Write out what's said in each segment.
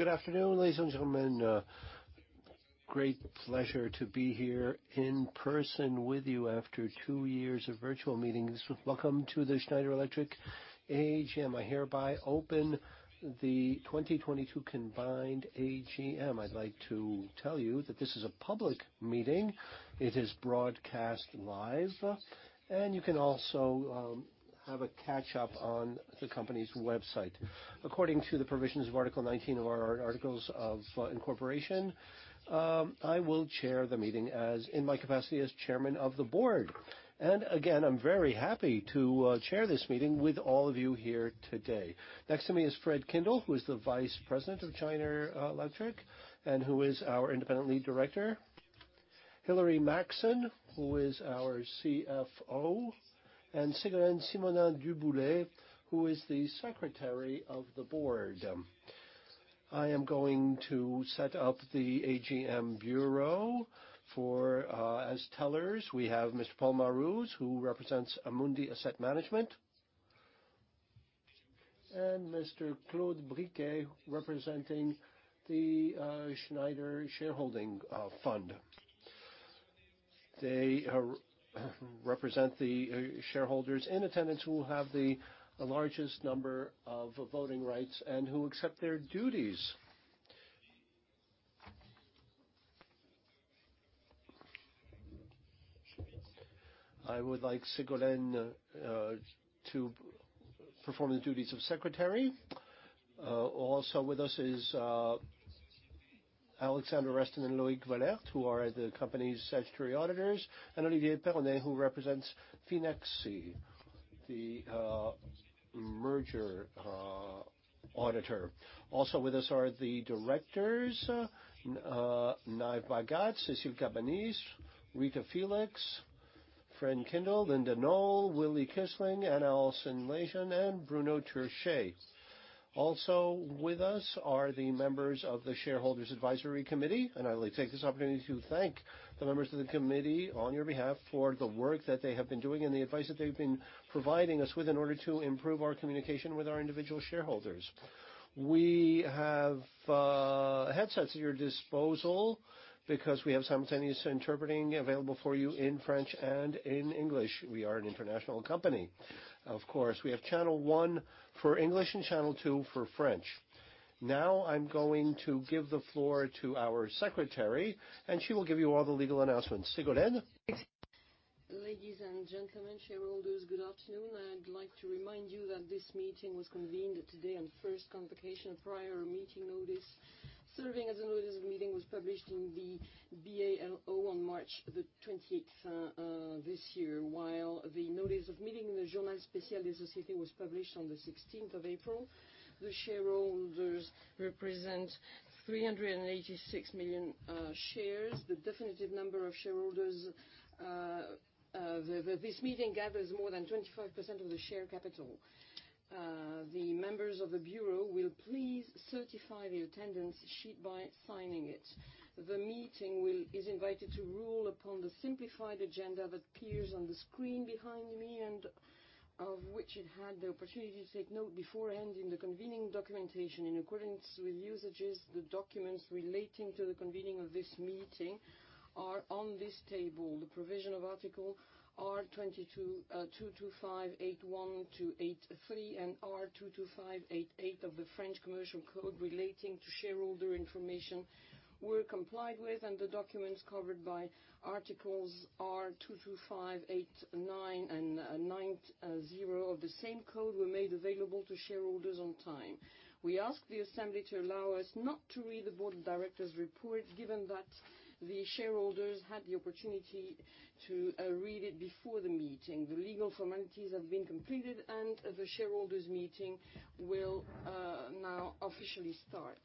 Good afternoon, ladies and gentlemen. Great pleasure to be here in person with you after two years of virtual meetings. Welcome to the Schneider Electric AGM. I hereby open the 2022 combined AGM. I'd like to tell you that this is a public meeting. It is broadcast live, and you can also have a catch-up on the company's website. According to the provisions of Article 19 of our Articles of Incorporation, I will chair the meeting as in my capacity as Chairman of the Board. Again, I'm very happy to chair this meeting with all of you here today. Next to me is Fred Kindle, who is the Vice-Chairman of Schneider Electric, and who is our independent lead director. Hilary Maxson, who is our CFO, and Ségolène Simonin-du Boullay, who is the Secretary of the Board. I am going to set up the AGM bureau. For as tellers, we have Mr. Paul Meurous, who represents Amundi Asset Management, and Mr. Claude Briquet, representing the Schneider shareholding fund. They represent the shareholders in attendance who will have the largest number of voting rights and who accept their duties. I would like Ségolène to perform the duties of secretary. Also with us is Alexandre Resten and Loïc Wallaert, who are the company's statutory auditors, and Olivier Péronnet who represents Finexsi, the merger auditor. Also with us are the directors Nive Bhagat, Cécile Cabanis, Rita Félix, Fred Kindle, Linda Knoll, Willy Kissling, and Anna Ohlsson-Leijon and Bruno Turchet. Also with us are the members of the Shareholders' Advisory Committee, and I'd like to take this opportunity to thank the members of the committee on your behalf for the work that they have been doing and the advice that they've been providing us with in order to improve our communication with our individual shareholders. We have headsets at your disposal because we have simultaneous interpreting available for you in French and in English. We are an international company. Of course, we have channel one for English and channel two for French. Now I'm going to give the floor to our secretary, and she will give you all the legal announcements. Ségolène? Ladies and gentlemen, shareholders, good afternoon. I'd like to remind you that this meeting was convened today on first convocation prior meeting notice. Serving as a notice of meeting was published in the BALO on March 20th, this year. While the notice of meeting, the Journal Spécial des Sociétés, was published on the 16th of April. The shareholders represent 386 million shares. The definitive number of shareholders, this meeting gathers more than 25% of the share capital. The members of the bureau will please certify the attendance sheet by signing it. The meeting is invited to rule upon the simplified agenda that appears on the screen behind me and of which it had the opportunity to take note beforehand in the convening documentation. In accordance with usages, the documents relating to the convening of this meeting are on this table. The provisions of Articles R. 225-81 to 83 and R. 225-88 of the French Commercial Code relating to shareholder information were complied with, and the documents covered by Articles R. 225-89 and 90 of the same code were made available to shareholders on time. We ask the assembly to allow us not to read the Board of Directors' report, given that the shareholders had the opportunity to read it before the meeting. The legal formalities have been completed, and the shareholders' meeting will now officially start.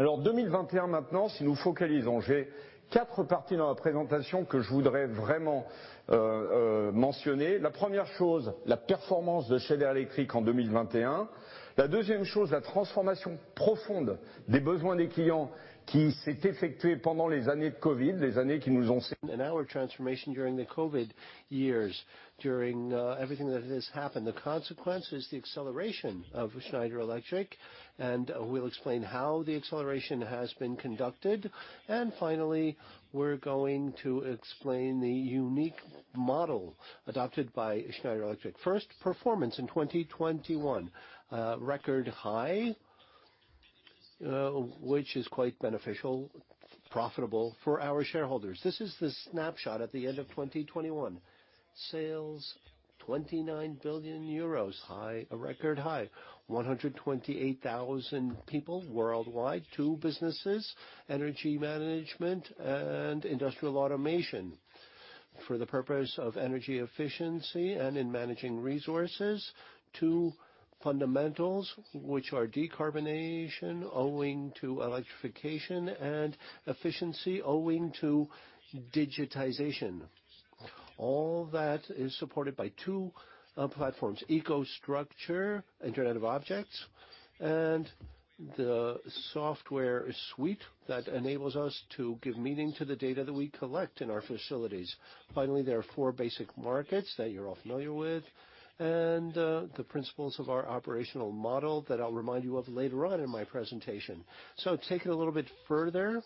Our transformation during the COVID years, during everything that has happened. The consequence is the acceleration of Schneider Electric, and we'll explain how the acceleration has been conducted. Finally, we're going to explain the unique model adopted by Schneider Electric. First, performance in 2021. Record high, which is quite beneficial, profitable for our shareholders. This is the snapshot at the end of 2021. Sales, 29 billion euros. High, a record high. 128,000 people worldwide. Two businesses: energy management and industrial automation. For the purpose of energy efficiency and in managing resources, two fundamentals, which are decarbonation owing to electrification, and efficiency owing to digitization. All that is supported by two platforms, EcoStruxure, Internet of Things, and the software suite that enables us to give meaning to the data that we collect in our facilities. Finally, there are four basic markets that you're all familiar with, and the principles of our operational model that I'll remind you of later on in my presentation. Take it a little bit further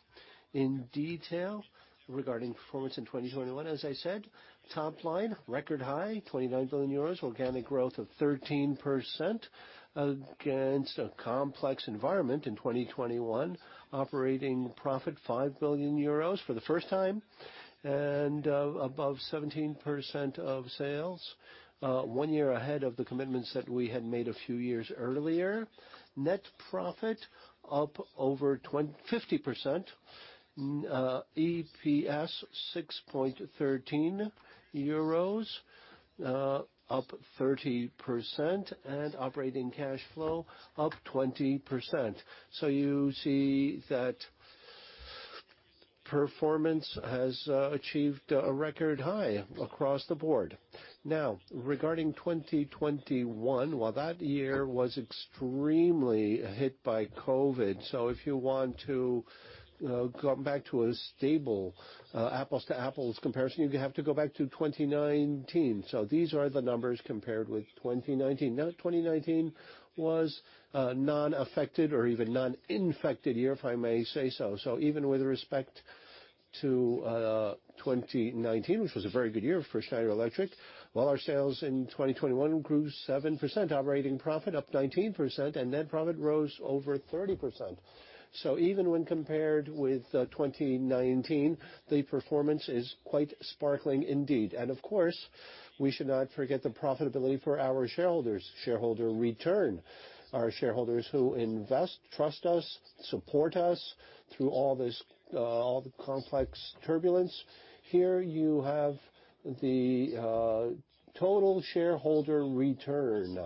in detail regarding performance in 2021. As I said, top line, record high, 29 billion euros. Organic growth of 13% against a complex environment in 2021. Operating profit, 5 billion euros for the first time and above 17% of sales, one year ahead of the commitments that we had made a few years earlier. Net profit up over 50%. EPS 6.13 euros, up 30%. And operating cash flow up 20%. You see that performance has achieved a record high across the board. Now, regarding 2021, while that year was extremely hit by COVID, so if you want to come back to a stable apples-to-apples comparison, you have to go back to 2019. These are the numbers compared with 2019. Now, 2019 was non-affected or even non-infected year, if I may say so. Even with respect to 2019, which was a very good year for Schneider Electric, while our sales in 2021 grew 7%, operating profit up 19%, and net profit rose over 30%. Even when compared with 2019, the performance is quite sparkling indeed. Of course, we should not forget the profitability for our shareholders. Shareholder return. Our shareholders who invest, trust us, support us through all this, all the complex turbulence. Here you have the total shareholder return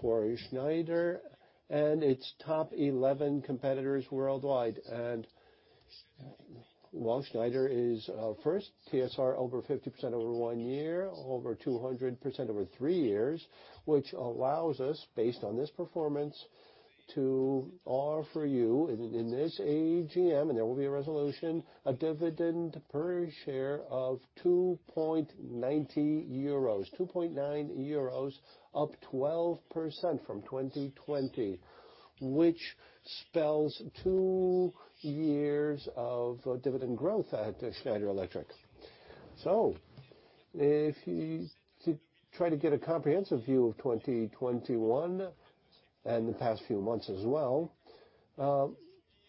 for Schneider and its top 11 competitors worldwide. While Schneider is first, TSR over 50% over one year, over 200% over three years, which allows us, based on this performance, to offer you in this AGM, and there will be a resolution, a dividend per share of 2.90 euros. 2.9 euros, up 12% from 2020, which spells two years of dividend growth at Schneider Electric. If you try to get a comprehensive view of 2021 and the past few months as well,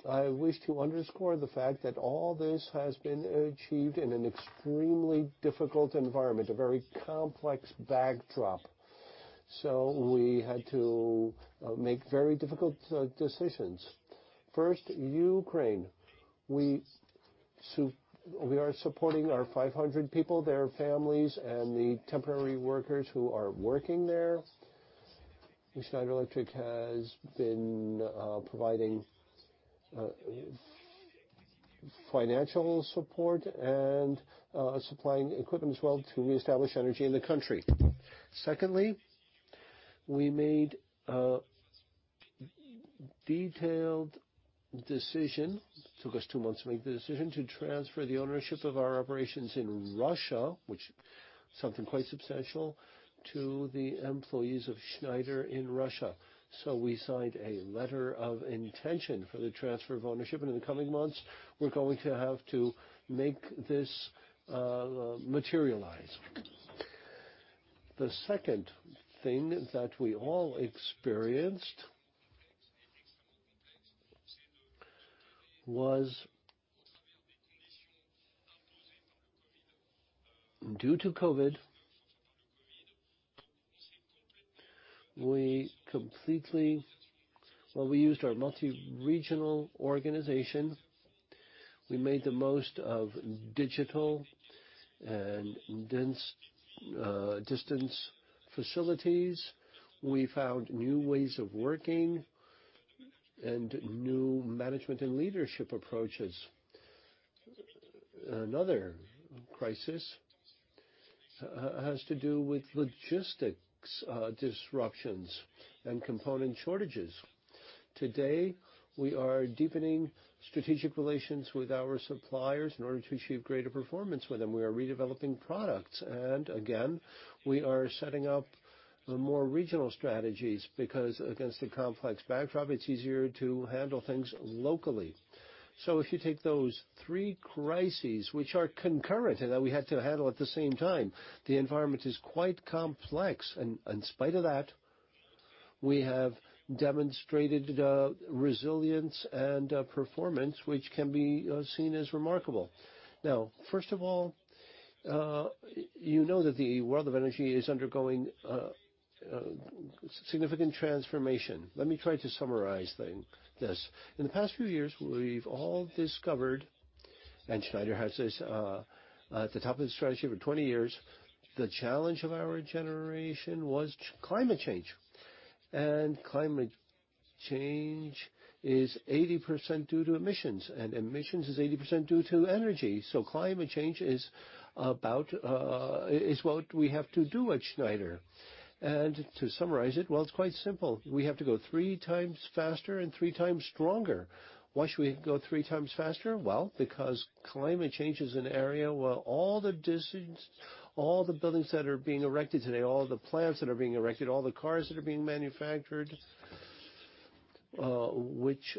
I wish to underscore the fact that all this has been achieved in an extremely difficult environment, a very complex backdrop. We had to make very difficult decisions. First, Ukraine. We are supporting our 500 people, their families, and the temporary workers who are working there. Schneider Electric has been providing financial support and supplying equipment as well to reestablish energy in the country. Secondly, we made a detailed decision, which took us two months to make, to transfer the ownership of our operations in Russia, which is something quite substantial, to the employees of Schneider in Russia. We signed a letter of intention for the transfer of ownership, and in the coming months, we're going to have to make this materialize. The second thing that we all experienced was due to COVID. We used our multi-regional organization. We made the most of digital and distance facilities. We found new ways of working and new management and leadership approaches. Another crisis has to do with logistics, disruptions and component shortages. Today, we are deepening strategic relations with our suppliers in order to achieve greater performance with them. We are redeveloping products. Again, we are setting up more regional strategies because against a complex backdrop, it's easier to handle things locally. If you take those three crises, which are concurrent and that we had to handle at the same time, the environment is quite complex. In spite of that, we have demonstrated resilience and performance, which can be seen as remarkable. Now, first of all, you know that the world of energy is undergoing significant transformation. Let me try to summarize this. In the past few years, we've all discovered, and Schneider has this at the top of the strategy for 20 years, the challenge of our generation was climate change. Climate change is 80% due to emissions, and emissions is 80% due to energy. Climate change is about what we have to do at Schneider. To summarize it, well, it's quite simple. We have to go 3x faster and 3x stronger. Why should we go 3x faster? Well, because climate change is an area where all the decisions, all the buildings that are being erected today, all the plants that are being erected, all the cars that are being manufactured, which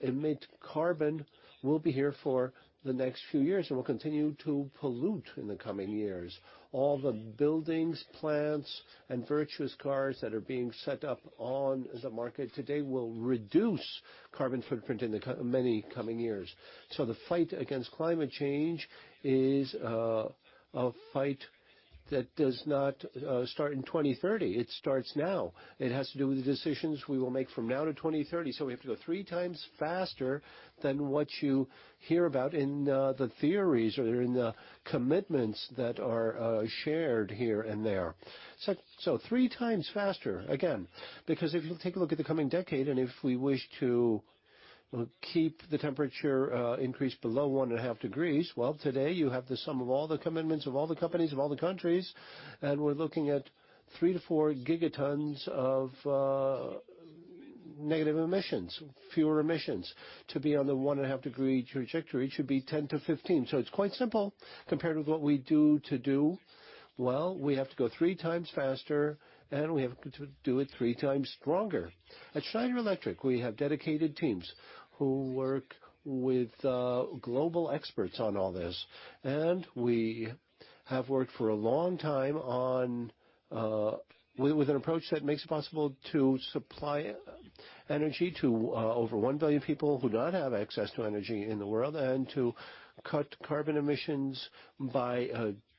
emit carbon, will be here for the next few years and will continue to pollute in the coming years. All the buildings, plants, and virtuous cars that are being set up on the market today will reduce carbon footprint in the many coming years. The fight against climate change is a fight that does not start in 2030. It starts now. It has to do with the decisions we will make from now to 2030. We have to go 3x faster than what you hear about in the theories or in the commitments that are shared here and there. 3x faster, again, because if you take a look at the coming decade, and if we wish to keep the temperature increase below 1.5 degrees, well, today you have the sum of all the commitments of all the companies, of all the countries, and we're looking at 3-4 Gt of negative emissions, fewer emissions. To be on the 1.5-degree trajectory, it should be 10-15 Gt. It's quite simple compared with what we do today. Well, we have to go 3x faster, and we have to do it 3x stronger. At Schneider Electric, we have dedicated teams who work with global experts on all this. We have worked for a long time on with an approach that makes it possible to supply energy to over 1 billion people who do not have access to energy in the world, and to cut carbon emissions by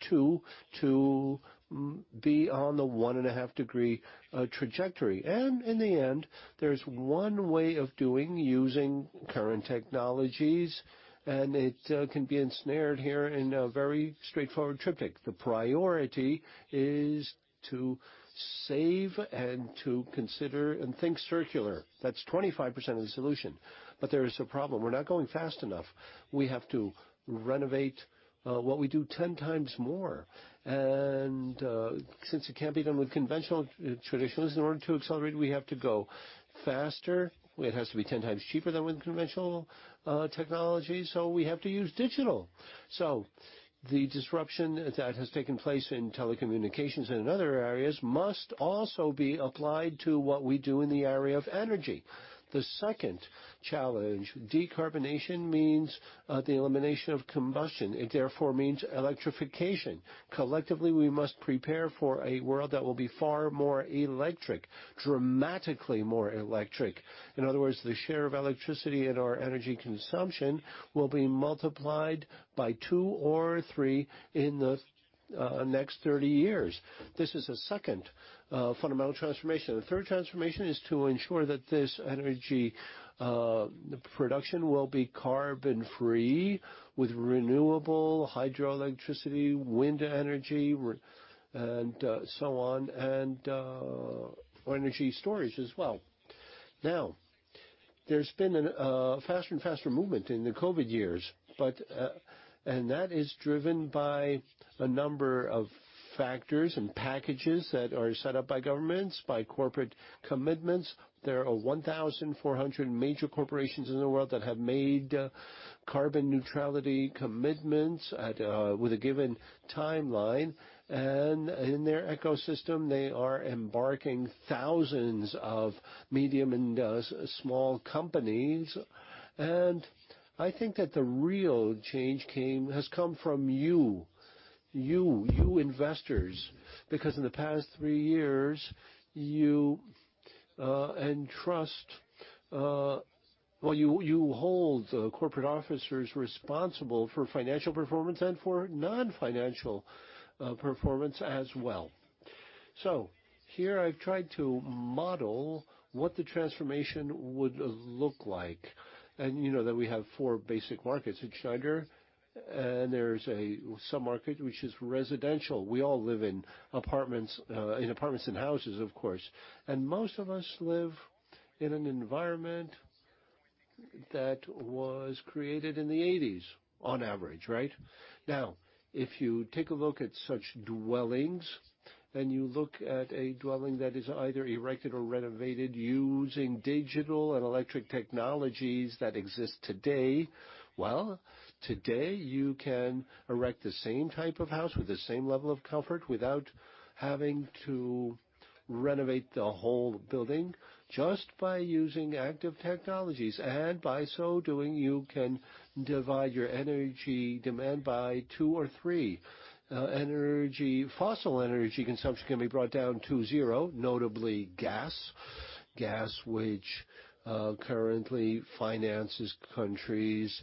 2 to be on the 1.5-degree trajectory. In the end, there's one way of doing using current technologies, and it can be arranged here in a very straightforward triptych. The priority is to save and to consider and think circular. That's 25% of the solution. There is a problem. We're not going fast enough. We have to renovate what we do 10x more. Since it can't be done with conventional traditional means, in order to accelerate, we have to go faster. It has to be 10x cheaper than with conventional technology, so we have to use digital. The disruption that has taken place in telecommunications and in other areas must also be applied to what we do in the area of energy. The second challenge, decarbonization means the elimination of combustion. It therefore means electrification. Collectively, we must prepare for a world that will be far more electric, dramatically more electric. In other words, the share of electricity in our energy consumption will be multiplied by 2x or 3x in the next 30 years. This is a second fundamental transformation. The third transformation is to ensure that this energy production will be carbon-free with renewable hydroelectricity, wind energy, and so on, and energy storage as well. Now, there's been a faster and faster movement in the COVID years, but and that is driven by a number of factors and packages that are set up by governments, by corporate commitments. There are 1,400 major corporations in the world that have made carbon neutrality commitments at, with a given timeline. In their ecosystem, they are embarking thousands of medium and small companies. I think that the real change has come from you investors, because in the past three years, you and trust, well, you hold corporate officers responsible for financial performance and for non-financial performance as well. Here I've tried to model what the transformation would look like. You know that we have four basic markets at Schneider, and there's a sub-market which is residential. We all live in apartments and houses, of course. Most of us live in an environment that was created in the eighties on average, right? Now, if you take a look at such dwellings, and you look at a dwelling that is either erected or renovated using digital and electric technologies that exist today, well, today you can erect the same type of house with the same level of comfort without having to renovate the whole building just by using active technologies, and by so doing, you can divide your energy demand by two or three. Energy, fossil energy consumption can be brought down to zero, notably gas, which currently finances countries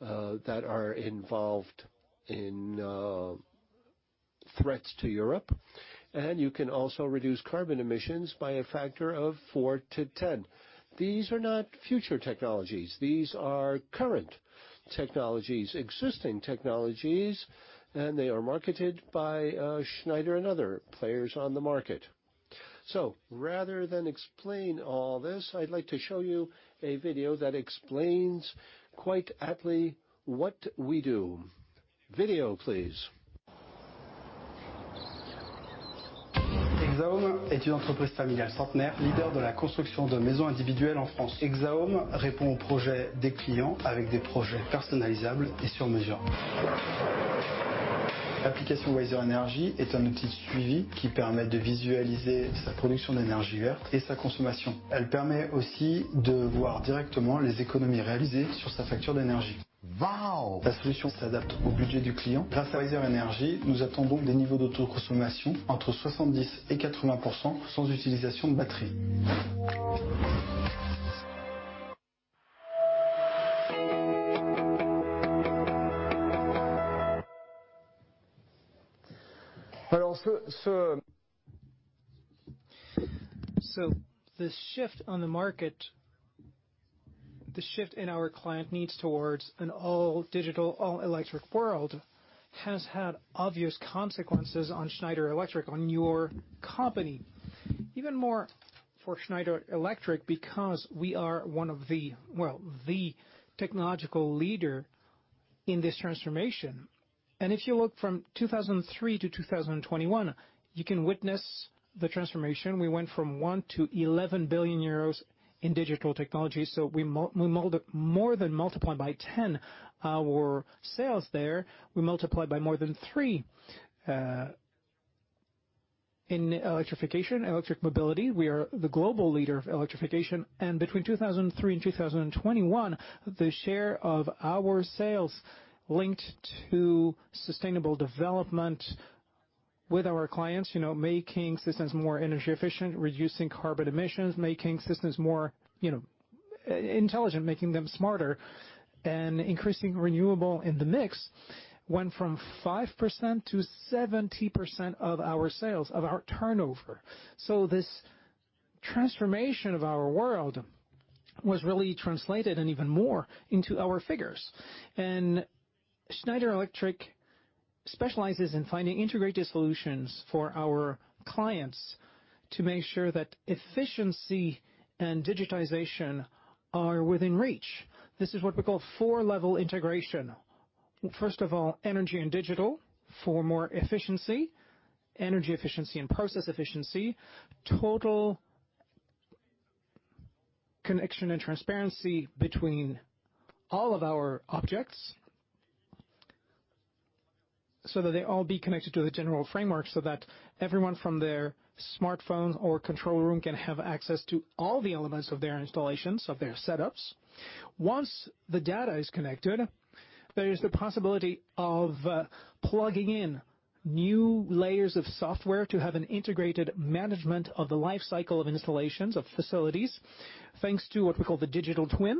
that are involved in threats to Europe. You can also reduce carbon emissions by a factor of four to 10. These are not future technologies. These are current technologies, existing technologies, and they are marketed by Schneider and other players on the market. Rather than explain all this, I'd like to show you a video that explains quite aptly what we do. Video, please. Wow. The shift on the market, the shift in our client needs towards an all-digital, all electric world, has had obvious consequences on Schneider Electric, on your company. Even more for Schneider Electric, because we are the technological leader in this transformation. If you look from 2003 to 2021, you can witness the transformation. We went from 1 billion to 11 billion euros in digital technology, so we more than multiplied by 10x our sales there. We multiplied by more than 3x in electrification, electric mobility. We are the global leader of electrification. And in 2003 to 2021, the share of our sales linked to sustainable development with our clients, you know, making systems more energy efficient, reducing carbon emissions, making systems more, you know, intelligent, making them smarter, and increasing renewable in the mix, went from 5% to 70% of our sales, of our turnover. This transformation of our world was really translated, and even more, into our figures. Schneider Electric specializes in finding integrated solutions for our clients to make sure that efficiency and digitization are within reach. This is what we call four-level integration. First of all, energy and digital. For more efficiency, energy efficiency and process efficiency, total connection and transparency between all of our objects, so that they all be connected to the general framework, so that everyone from their smartphone or control room can have access to all the elements of their installations, of their setups. Once the data is connected, there is the possibility of plugging in new layers of software to have an integrated management of the life cycle of installations, of facilities, thanks to what we call the digital twin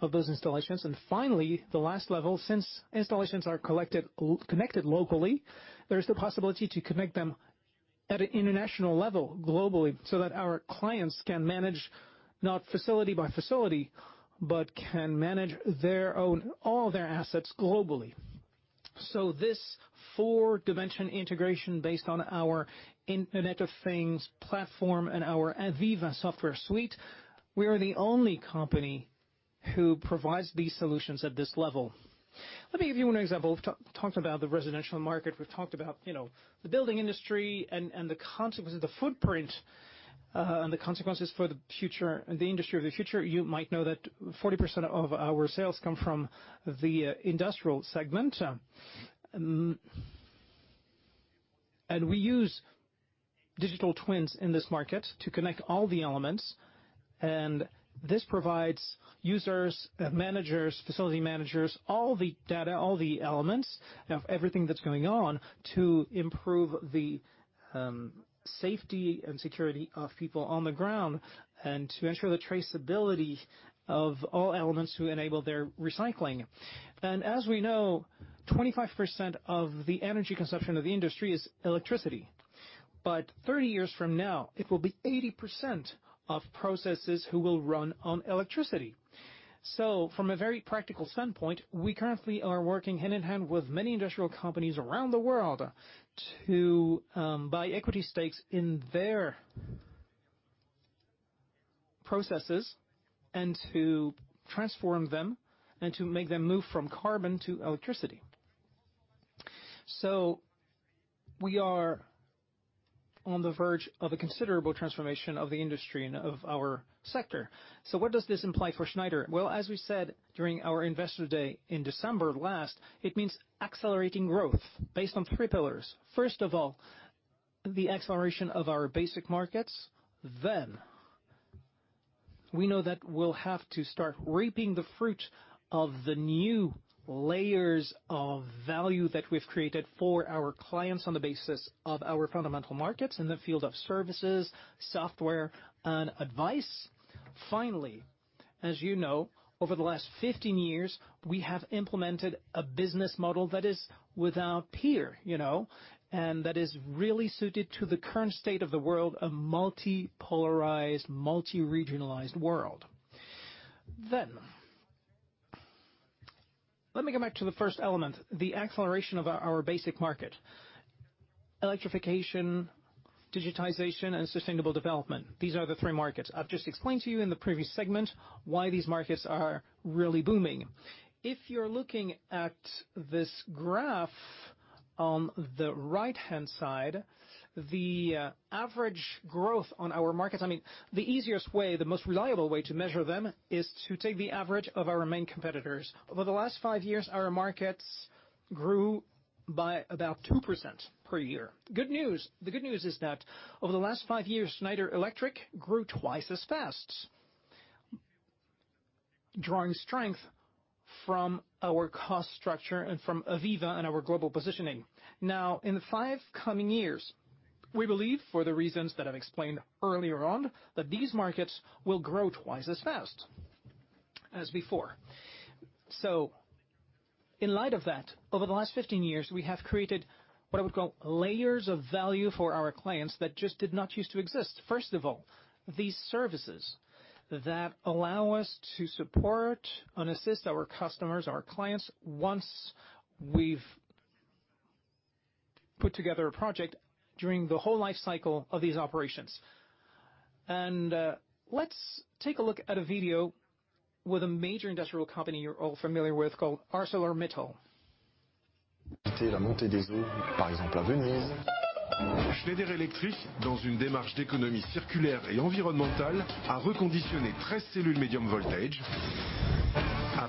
of those installations. Finally, the last level. Since installations are connected locally, there is the possibility to connect them at an international level, globally, so that our clients can manage not facility by facility, but can manage their own, all their assets globally. This four dimension integration based on our Internet of Things platform and our AVEVA software suite, we are the only company who provides these solutions at this level. Let me give you one example. We've talked about the residential market, we've talked about, you know, the building industry and the consequences, the footprint, and the consequences for the future, the industry of the future. You might know that 40% of our sales come from the industrial segment. We use digital twins in this market to connect all the elements. This provides users, managers, facility managers, all the data, all the elements of everything that's going on to improve the safety and security of people on the ground, and to ensure the traceability of all elements to enable their recycling. As we know, 25% of the energy consumption of the industry is electricity. 30 years from now, it will be 80% of processes who will run on electricity. From a very practical standpoint, we currently are working hand-in-hand with many industrial companies around the world to buy equity stakes in their processes and to transform them and to make them move from carbon to electricity. We are on the verge of a considerable transformation of the industry and of our sector. What does this imply for Schneider? Well, as we said during our Investor Day in December last, it means accelerating growth based on three pillars. First of all, the acceleration of our basic markets. We know that we'll have to start reaping the fruit of the new layers of value that we've created for our clients on the basis of our fundamental markets in the field of services, software, and advice. Finally, as you know, over the last 15 years, we have implemented a business model that is without peer, you know, and that is really suited to the current state of the world, a multipolarized, multiregionalized world. Let me come back to the first element, the acceleration of our basic market. Electrification, digitization, and sustainable development. These are the three markets. I've just explained to you in the previous segment why these markets are really booming. If you're looking at this graph on the right-hand side, the average growth on our markets. I mean, the easiest way, the most reliable way to measure them is to take the average of our main competitors. Over the last fvie years, our markets grew by about 2% per year. Good news. The good news is that over the last five years, Schneider Electric grew twice as fast, drawing strength from our cost structure and from AVEVA and our global positioning. Now, in the five coming years, we believe, for the reasons that I've explained earlier on, that these markets will grow twice as fast as before. In light of that, over the last 15 years, we have created what I would call layers of value for our clients that just did not used to exist. First of all, these services that allow us to support and assist our customers, our clients, once we've put together a project during the whole life cycle of these operations. Let's take a look at a video with a major industrial company you're all familiar with called ArcelorMittal. As you see,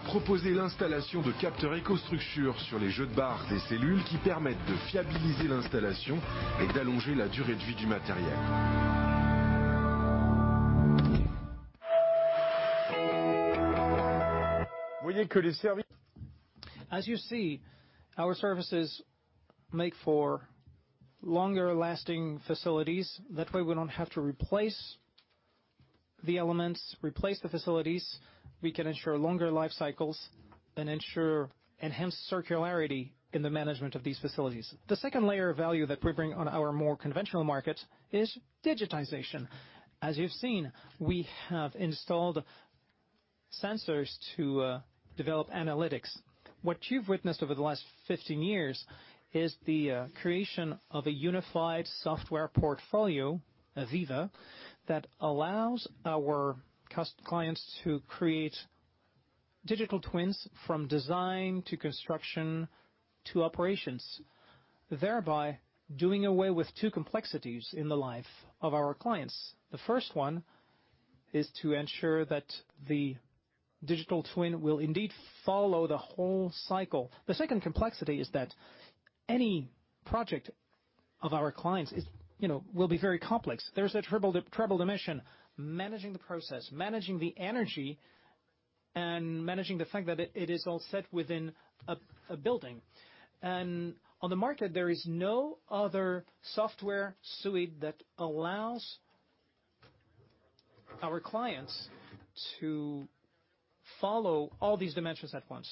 our services make for longer-lasting facilities. That way, we don't have to replace the elements, replace the facilities. We can ensure longer life cycles and ensure enhanced circularity in the management of these facilities. The second layer of value that we bring on our more conventional markets is digitization. As you've seen, we have installed sensors to develop analytics. What you've witnessed over the last 15 years is the creation of a unified software portfolio, AVEVA, that allows our clients to create digital twins from design to construction to operations, thereby doing away with two complexities in the life of our clients. The first one is to ensure that the digital twin will indeed follow the whole cycle. The second complexity is that any project of our clients is, you know, will be very complex. There's a triple dimension: managing the process, managing the energy, and managing the fact that it is all set within a building. On the market, there is no other software suite that allows our clients to follow all these dimensions at once.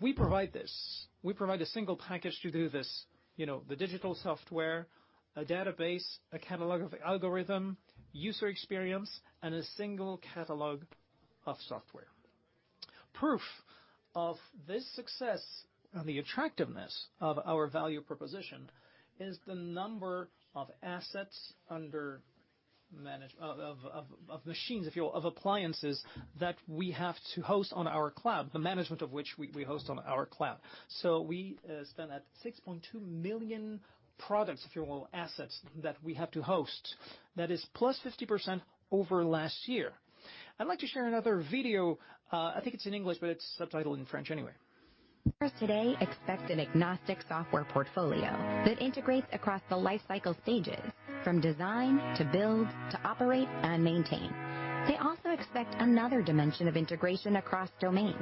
We provide this. We provide a single package to do this. You know, the digital software, a database, a catalog of algorithm, user experience, and a single catalog of software. Proof of this success and the attractiveness of our value proposition is the number of assets under of machines, if you will, of appliances that we have to host on our cloud, the management of which we host on our cloud. We stand at 6.2 million products, if you will, assets that we have to host. That is +50% over last year. I'd like to share another video. I think it's in English, but it's subtitled in French anyway. Customers today expect an agnostic software portfolio that integrates across the life cycle stages, from design to build, to operate and maintain. They also expect another dimension of integration across domains.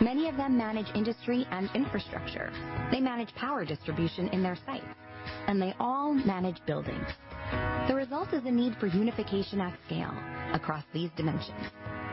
Many of them manage industry and infrastructure. They manage power distribution in their sites, and they all manage buildings. The result is a need for unification at scale across these dimensions,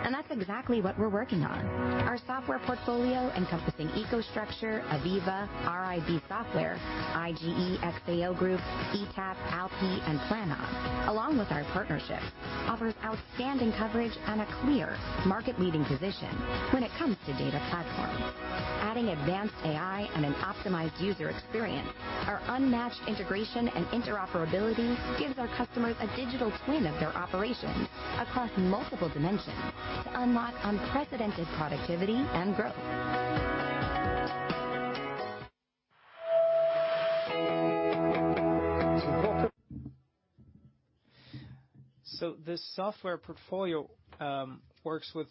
and that's exactly what we're working on. Our software portfolio, encompassing EcoStruxure, AVEVA, RIB Software, IGE+XAO Group, ETAP, ALPI, and Planon, along with our partnerships, offers outstanding coverage and a clear market-leading position when it comes to data platforms. Adding advanced AI and an optimized user experience, our unmatched integration and interoperability gives our customers a digital twin of their operations across multiple dimensions to unlock unprecedented productivity and growth. This software portfolio works with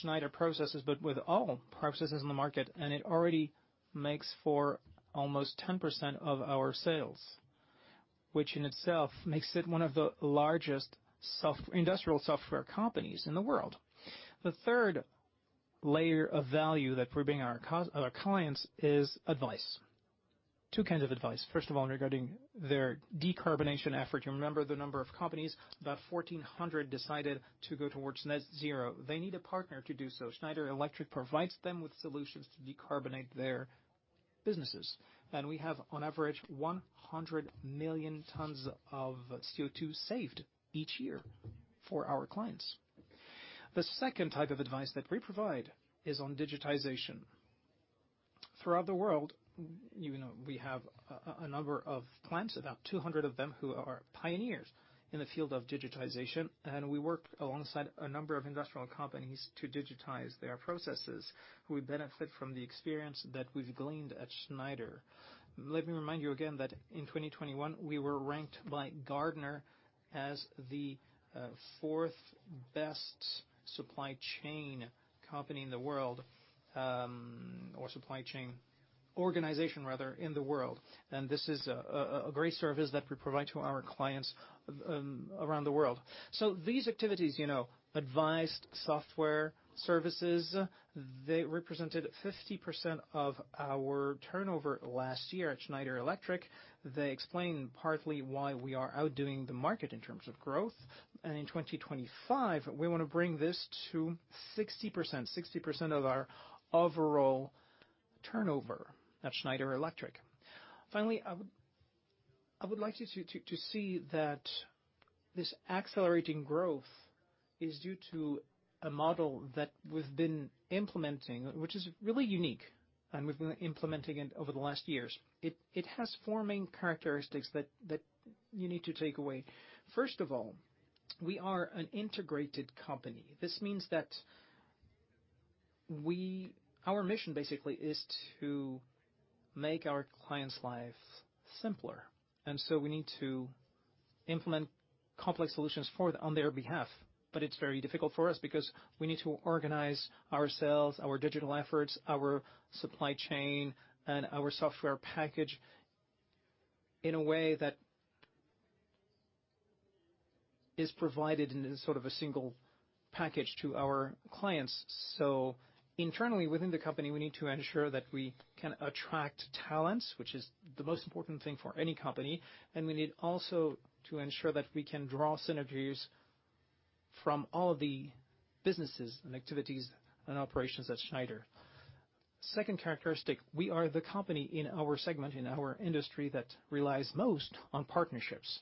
Schneider processes, but with all processes in the market, and it already makes for almost 10% of our sales, which in itself makes it one of the largest industrial software companies in the world. The third layer of value that we're bringing our clients is advice. Two kinds of advice. First of all, regarding their decarbonization effort. You remember the number of companies, about 1,400 decided to go towards net zero. They need a partner to do so. Schneider Electric provides them with solutions to decarbonize their businesses. We have on average 100 million tons of CO₂ saved each year for our clients. The second type of advice that we provide is on digitization. Throughout the world, you know, we have a number of clients, about 200 of them, who are pioneers in the field of digitization. We work alongside a number of industrial companies to digitize their processes. We benefit from the experience that we've gleaned at Schneider. Let me remind you again that in 2021 we were ranked by Gartner as the fourth best supply chain company in the world, or supply chain organization rather, in the world. This is a great service that we provide to our clients, around the world. These activities, you know, advised software services, they represented 50% of our turnover last year at Schneider Electric. They explain partly why we are outdoing the market in terms of growth. In 2025, we wanna bring this to 60%. 60% of our overall turnover at Schneider Electric. Finally, I would like you to see that this accelerating growth is due to a model that we've been implementing, which is really unique, and we've been implementing it over the last years. It has four main characteristics that you need to take away. First of all, we are an integrated company. This means that our mission basically is to make our clients' lives simpler. So, we need to implement complex solutions on their behalf. It's very difficult for us because we need to organize ourselves, our digital efforts, our supply chain, and our software package in a way that is provided in sort of a single package to our clients. Internally, within the company, we need to ensure that we can attract talents, which is the most important thing for any company, and we need also to ensure that we can draw synergies from all of the businesses and activities and operations at Schneider. Second characteristic, we are the company in our segment, in our industry that relies most on partnerships.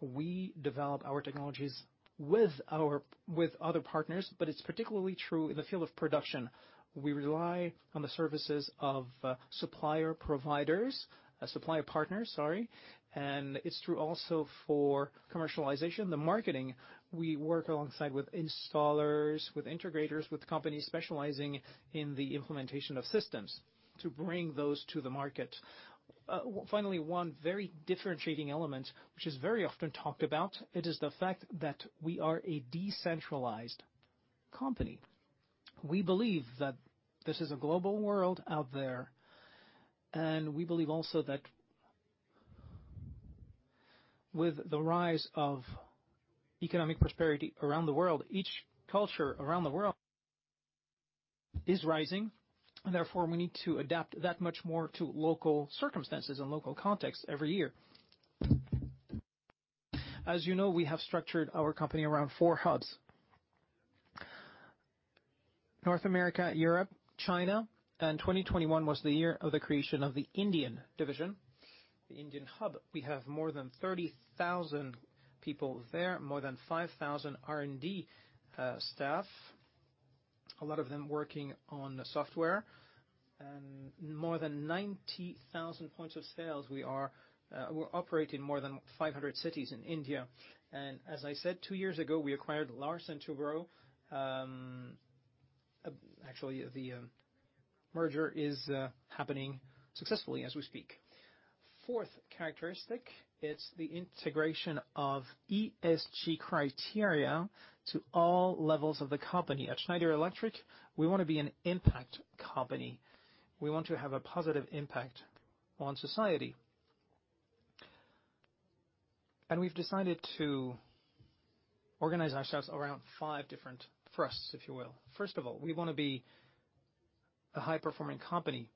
We develop our technologies with other partners, but it's particularly true in the field of production. We rely on the services of supplier partners. It's true also for commercialization. The marketing, we work alongside with installers, with integrators, with companies specializing in the implementation of systems to bring those to the market. Finally, one very differentiating element, which is very often talked about, it is the fact that we are a decentralized company. We believe that this is a global world out there, and we believe also that with the rise of economic prosperity around the world, each culture around the world is rising. Therefore, we need to adapt that much more to local circumstances and local context every year. As you know, we have structured our company around four hubs. North America, Europe, China, and 2021 was the year of the creation of the Indian division, the Indian hub. We have more than 30,000 people there, more than 5,000 R&D staff, a lot of them working on software. More than 90,000 points of sale. We operate in more than 500 cities in India. As I said, two years ago, we acquired Larsen & Toubro. Actually, the merger is happening successfully as we speak. Fourth characteristic, it's the integration of ESG criteria to all levels of the company. At Schneider Electric, we wanna be an impact company. We want to have a positive impact on society. We've decided to organize ourselves around five different thrusts, if you will. First of all, we wanna be a high-performing company.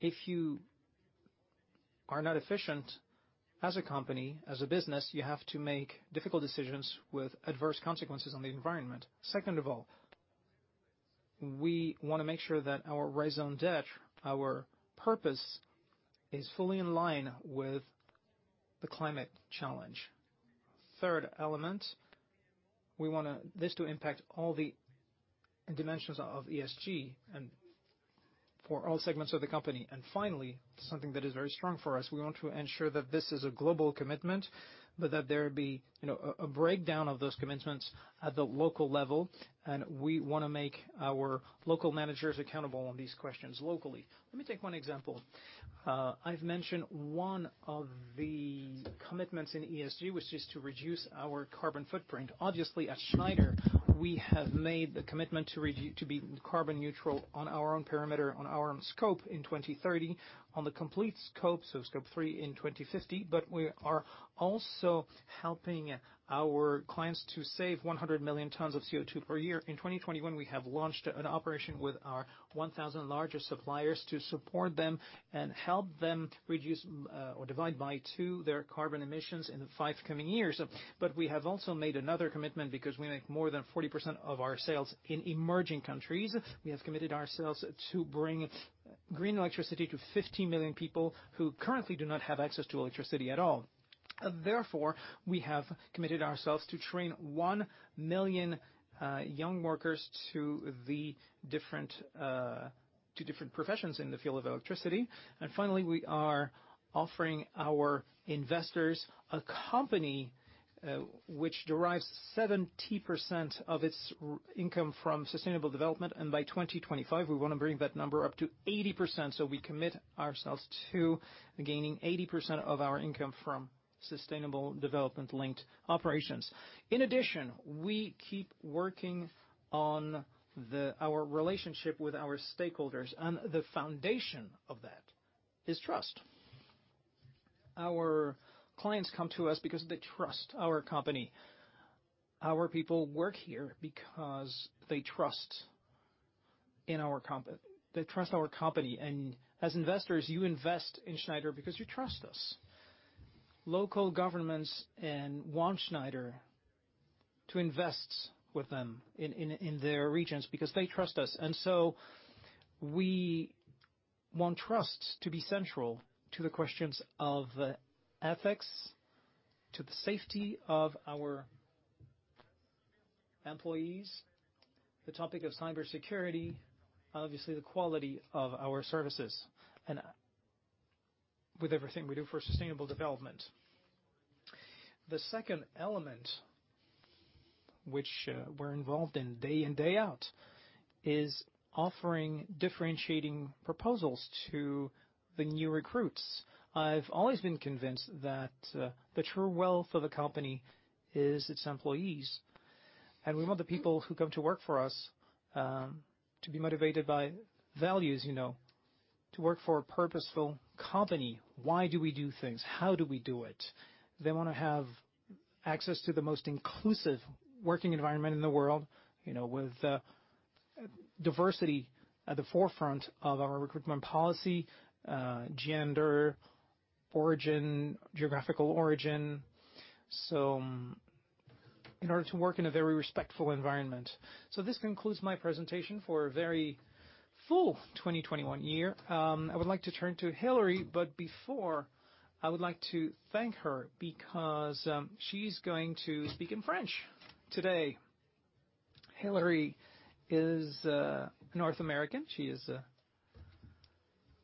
If you are not efficient as a company, as a business, you have to make difficult decisions with adverse consequences on the environment. Second of all, we wanna make sure that our raison d'être, our purpose, is fully in line with the climate challenge. Third element, we want this to impact all the dimensions of ESG and for all segments of the company. Finally, something that is very strong for us, we want to ensure that this is a global commitment, but that there be a breakdown of those commitments at the local level. We wanna make our local managers accountable on these questions locally. Let me take one example. I've mentioned one of the commitments in ESG, which is to reduce our carbon footprint. Obviously, at Schneider, we have made the commitment to be carbon neutral on our own perimeter, on our own scope in 2030. On the complete scope, so Scope 3 in 2050, but we are also helping our clients to save 100 million tons of CO₂ per year. In 2021, we have launched an operation with our 1,000 largest suppliers to support them and help them reduce or divide by two their carbon emissions in the five coming years. We have also made another commitment because we make more than 40% of our sales in emerging countries. We have committed ourselves to bring green electricity to 50 million people who currently do not have access to electricity at all. Therefore, we have committed ourselves to train 1 million young workers to different professions in the field of electricity. Finally, we are offering our investors a company which derives 70% of its income from sustainable development, and by 2025, we wanna bring that number up to 80%, so we commit ourselves to gaining 80% of our income from sustainable development-linked operations. In addition, we keep working on our relationship with our stakeholders, and the foundation of that is trust. Our clients come to us because they trust our company. Our people work here because they trust in our company. As investors, you invest in Schneider because you trust us. Local governments want Schneider to invest with them in their regions because they trust us. We want trust to be central to the questions of ethics, to the safety of our employees, the topic of cybersecurity, obviously the quality of our services, and with everything we do for sustainable development. The second element which we're involved in day in, day out is offering differentiating proposals to the new recruits. I've always been convinced that the true wealth of a company is its employees, and we want the people who come to work for us to be motivated by values, you know, to work for a purposeful company. Why do we do things? How do we do it? They wanna have access to the most inclusive working environment in the world, you know, with diversity at the forefront of our recruitment policy, gender, origin, geographical origin, so in order to work in a very respectful environment. This concludes my presentation for a very full 2021 year. I would like to turn to Hilary, but before, I would like to thank her because she's going to speak in French today. Hilary is North American. She is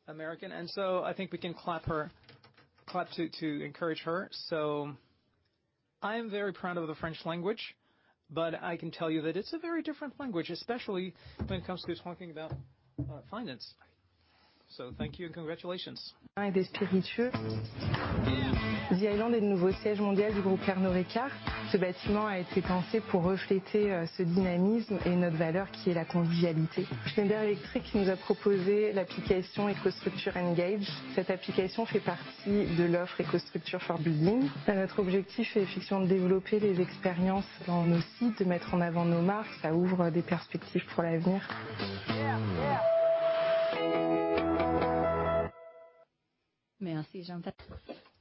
American, and I think we can clap to encourage her. I am very proud of the French language, but I can tell you that it's a very different language, especially when it comes to talking about finance. Thank you and congratulations.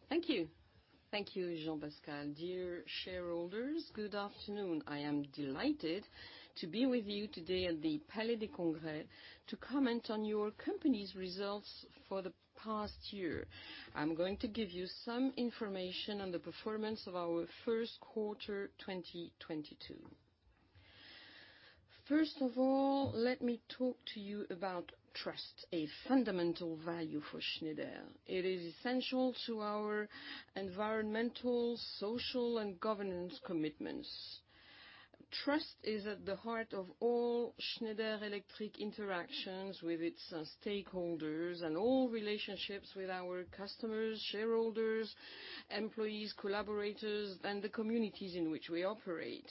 Thank you. Thank you, Jean-Pascal. Dear shareholders, good afternoon. I am delighted to be with you today at the Palais des Congrès to comment on your company's results for the past year. I'm going to give you some information on the performance of our first quarter 2022. First of all, let me talk to you about trust, a fundamental value for Schneider. It is essential to our environmental, social, and governance commitments. Trust is at the heart of all Schneider Electric interactions with its stakeholders and all relationships with our customers, shareholders, employees, collaborators, and the communities in which we operate.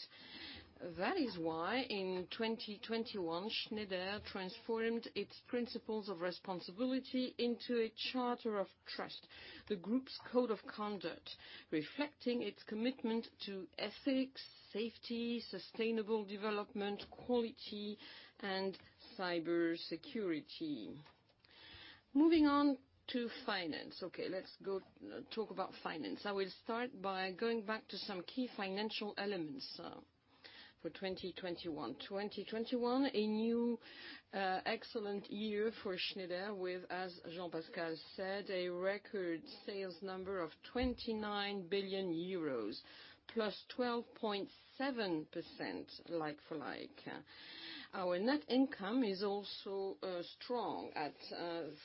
That is why in 2021, Schneider transformed its principles of responsibility into a charter of trust, the group's code of conduct, reflecting its commitment to ethics, safety, sustainable development, quality, and cybersecurity. Moving on to finance. Okay, let's go talk about finance. I will start by going back to some key financial elements for 2021. 2021, a new excellent year for Schneider with, as Jean-Pascal said, a record sales number of 29 billion euros, +12.7% like for like. Our net income is also strong at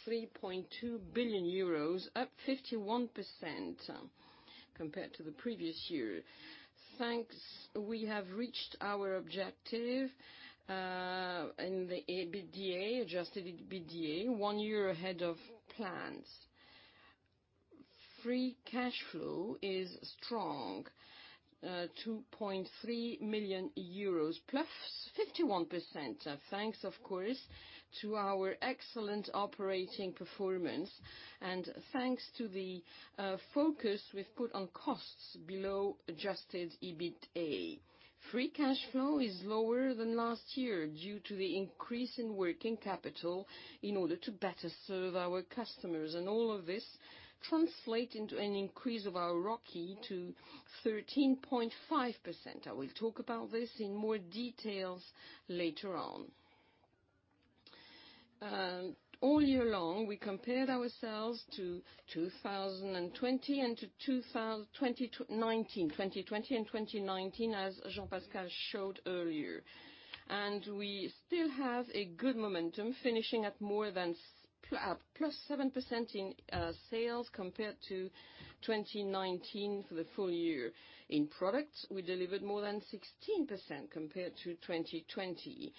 3.2 billion euros, up 51% compared to the previous year. Thanks, we have reached our objective in the EBITDA, adjusted EBITDA one year ahead of plans. Free cash flow is strong, EUR 2.3 million, +51%, thanks, of course, to our excellent operating performance and thanks to the focus we've put on costs below adjusted EBITDA. Free cash flow is lower than last year due to the increase in working capital in order to better serve our customers. All of this translate into an increase of our ROCE to 13.5%. I will talk about this in more details later on. All year long, we compared ourselves to 2020 and to 2019 as Jean-Pascal showed earlier. We still have a good momentum, finishing at more than +7% in sales compared to 2019 for the full year. In products, we delivered more than 16% compared to 2020,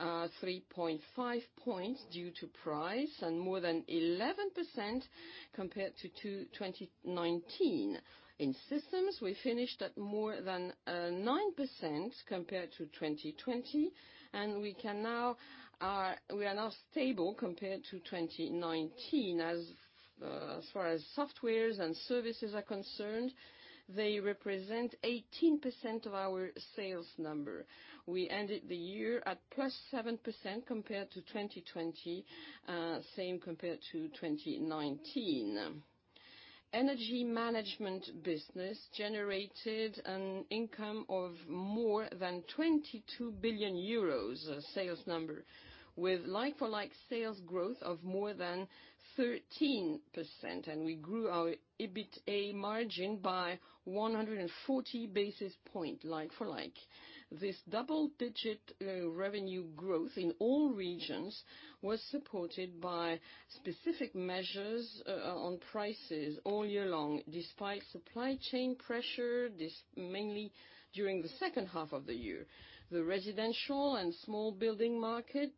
3.5 points due to price, and more than 11% compared to 2019. In systems, we finished at more than 9% compared to 2020, and we are now stable compared to 2019. As far as software and services are concerned, they represent 18% of our sales number. We ended the year at +7% compared to 2020, same compared to 2019. Energy Management business generated an income of more than 22 billion euros sales number, with like-for-like sales growth of more than 13%, and we grew our EBITA margin by 140 basis points like for like. This double-digit revenue growth in all regions was supported by specific measures on prices all year long, despite supply chain pressure, this mainly during the second half of the year. The residential and small building market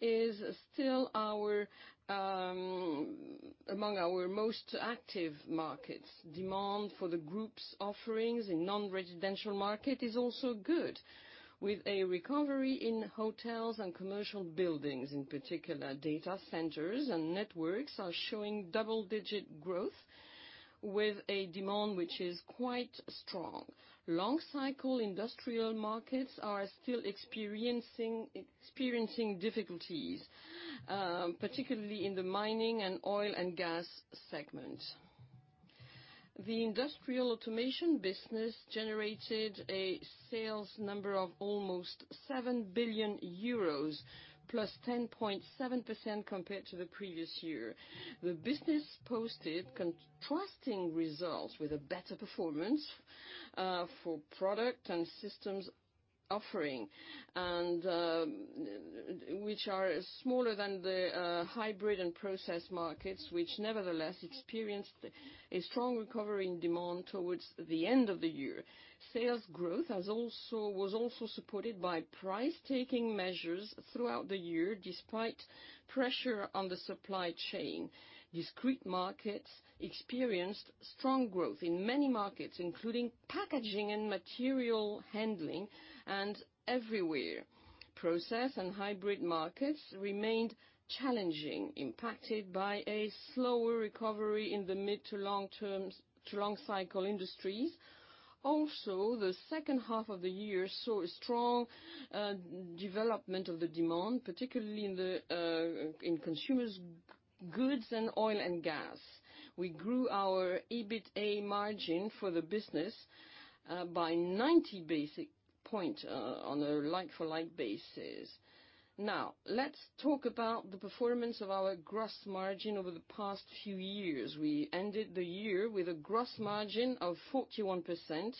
is still our among our most active markets. Demand for the group's offerings in non-residential market is also good, with a recovery in hotels and commercial buildings, in particular, data centers and networks are showing double-digit growth with a demand which is quite strong. Long cycle industrial markets are still experiencing difficulties, particularly in the mining and oil and gas segment. The Industrial Automation business generated a sales number of almost 7 billion euros, +10.7% compared to the previous year. The business posted contrasting results with a better performance for product and systems offering, and which are smaller than the hybrid and process markets, which nevertheless experienced a strong recovery in demand towards the end of the year. Sales growth was also supported by price-taking measures throughout the year, despite pressure on the supply chain. Discrete markets experienced strong growth in many markets, including packaging and material handling, and everywhere. Process and hybrid markets remained challenging, impacted by a slower recovery in the mid- to long-cycle industries. The second half of the year saw a strong development of the demand, particularly in the consumer goods and oil and gas. We grew our EBITA margin for the business by 90 basis points on a like-for-like basis. Now, let's talk about the performance of our gross margin over the past few years. We ended the year with a gross margin of 41%,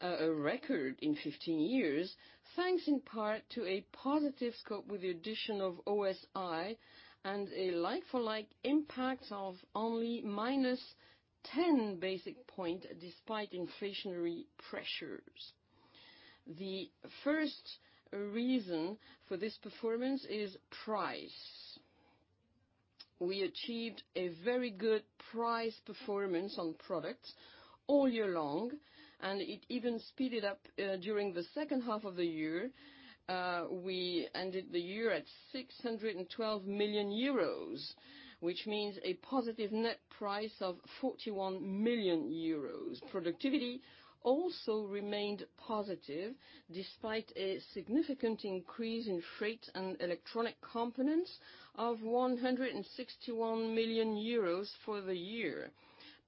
a record in 15 years, thanks in part to a positive scope with the addition of OSI and a like-for-like impact of only minus 10 basis points despite inflationary pressures. The first reason for this performance is price. We achieved a very good price performance on products all year long, and it even speeded up during the second half of the year. We ended the year at 612 million euros, which means a positive net price of 41 million euros. Productivity also remained positive, despite a significant increase in freight and electronic components of 161 million euros for the year.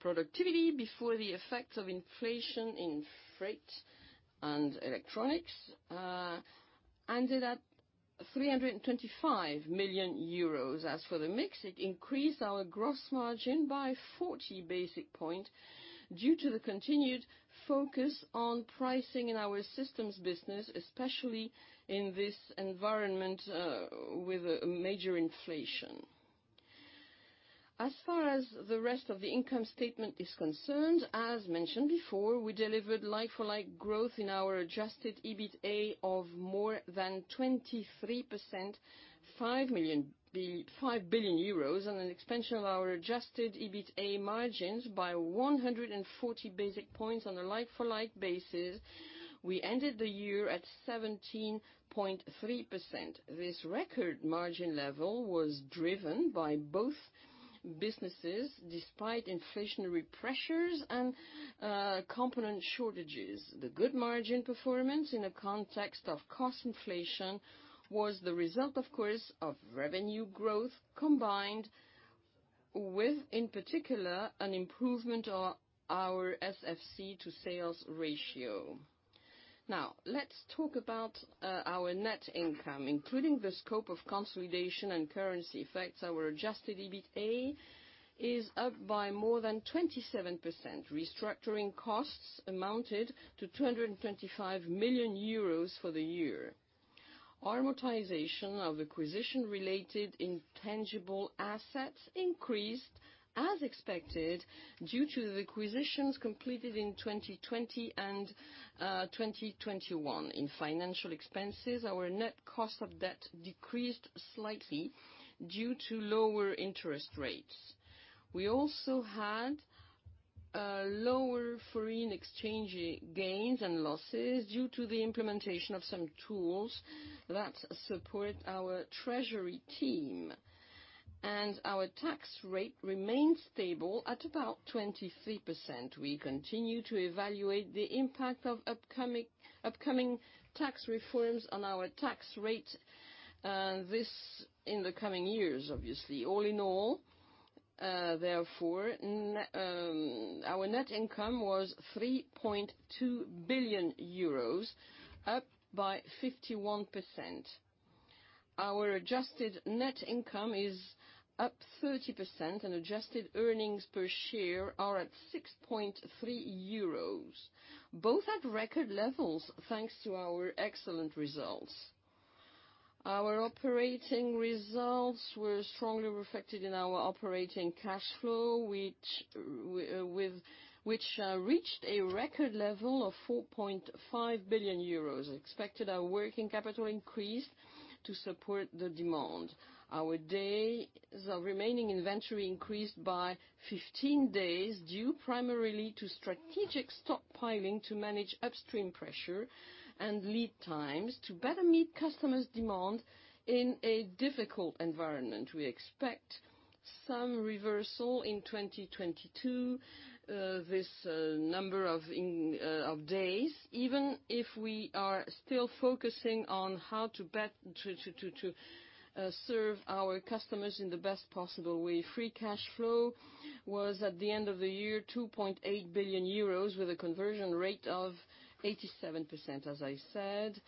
Productivity before the effects of inflation in freight and electronics ended up 325 million euros. As for the mix, it increased our gross margin by 40 basis points due to the continued focus on pricing in our systems business, especially in this environment with a major inflation. As far as the rest of the income statement is concerned, as mentioned before, we delivered like-for-like growth in our adjusted EBITA of more than 23%, 5 billion euros, and an expansion of our adjusted EBITA margins by 140 basis points on a like-for-like basis. We ended the year at 17.3%. This record margin level was driven by both businesses, despite inflationary pressures and component shortages. The good margin performance in a context of cost inflation was the result, of course, of revenue growth, combined with, in particular, an improvement of our SFC to sales ratio. Now let's talk about our net income. Including the scope of consolidation and currency effects, our adjusted EBITA is up by more than 27%. Restructuring costs amounted to 225 million euros for the year. Amortization of acquisition-related intangible assets increased as expected due to the acquisitions completed in 2020 and 2021. In financial expenses, our net cost of debt decreased slightly due to lower interest rates. We also had lower foreign exchange gains and losses due to the implementation of some tools that support our treasury team. Our tax rate remains stable at about 23%. We continue to evaluate the impact of upcoming tax reforms on our tax rate in the coming years, obviously. All in all, therefore, our net income was 3.2 billion euros, up by 51%. Our adjusted net income is up 30%, and adjusted earnings per share are at 6.3 euros, both at record levels, thanks to our excellent results. Our operating results were strongly reflected in our operating cash flow, which reached a record level of 4.5 billion euros. Except our working capital increased to support the demand. Our days of remaining inventory increased by 15 days, due primarily to strategic stockpiling to manage upstream pressure and lead times to better meet customers' demand in a difficult environment. We expect some reversal in 2022, this number of days, even if we are still focusing on how to better serve our customers in the best possible way. Free cash flow was, at the end of the year, 2.8 billion euros, with a conversion rate of 87%. As I said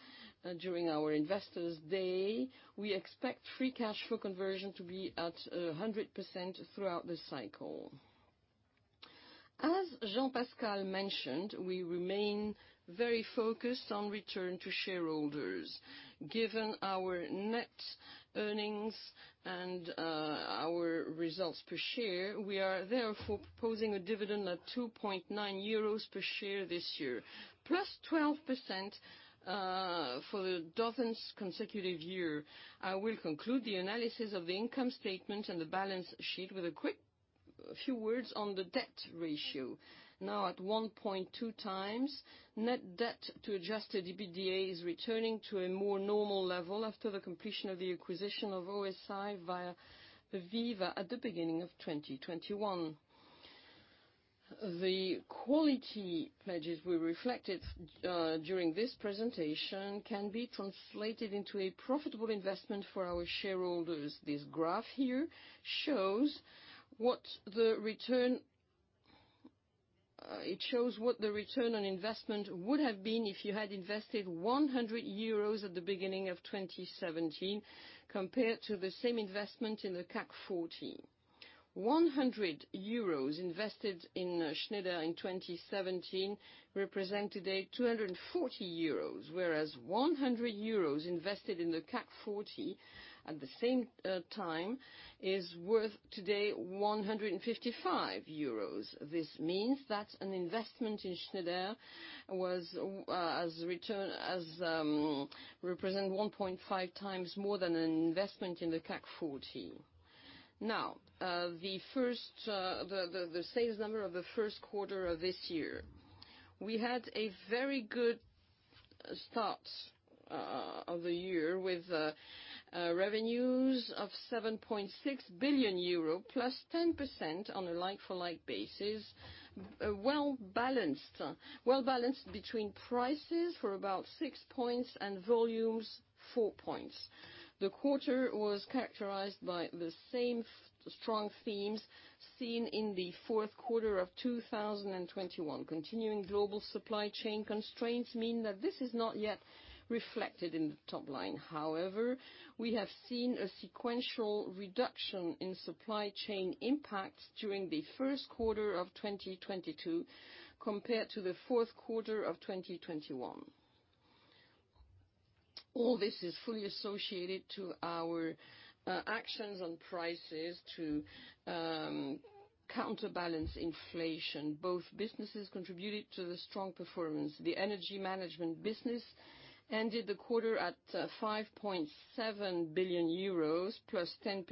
during our investors day, we expect free cash flow conversion to be at 100% throughout this cycle. As Jean-Pascal mentioned, we remain very focused on return to shareholders. Given our net earnings and our results per share, we are therefore proposing a dividend of 2.9 euros per share this year, plus 12%, for the seventh consecutive year. I will conclude the analysis of the income statement and the balance sheet with a quick few words on the debt ratio. Now, at 1.2x, net debt to adjusted EBITDA is returning to a more normal level after the completion of the acquisition of OSI via AVEVA at the beginning of 2021. The quality pledges we reflected during this presentation can be translated into a profitable investment for our shareholders. This graph here shows what the return. It shows what the return on investment would have been if you had invested 100 euros at the beginning of 2017 compared to the same investment in the CAC 40. 100 euros invested in Schneider in 2017 represent today 240 euros, whereas 100 euros invested in the CAC 40 at the same time is worth today 155 euros. This means that an investment in Schneider was represent 1.5x more than an investment in the CAC 40. Now, the sales number of the first quarter of this year. We had a very good start of the year with revenues of 7.6 billion euro, +10% on a like-for-like basis, well-balanced between prices for about 6 points and volumes 4 points. The quarter was characterized by the same strong themes seen in the fourth quarter of 2021. Continuing global supply chain constraints mean that this is not yet reflected in the top line. However, we have seen a sequential reduction in supply chain impacts during the first quarter of 2022 compared to the fourth quarter of 2021. All this is fully associated to our actions on prices to counterbalance inflation. Both businesses contributed to the strong performance. The Energy Management business ended the quarter at 5.7 billion euros, +10%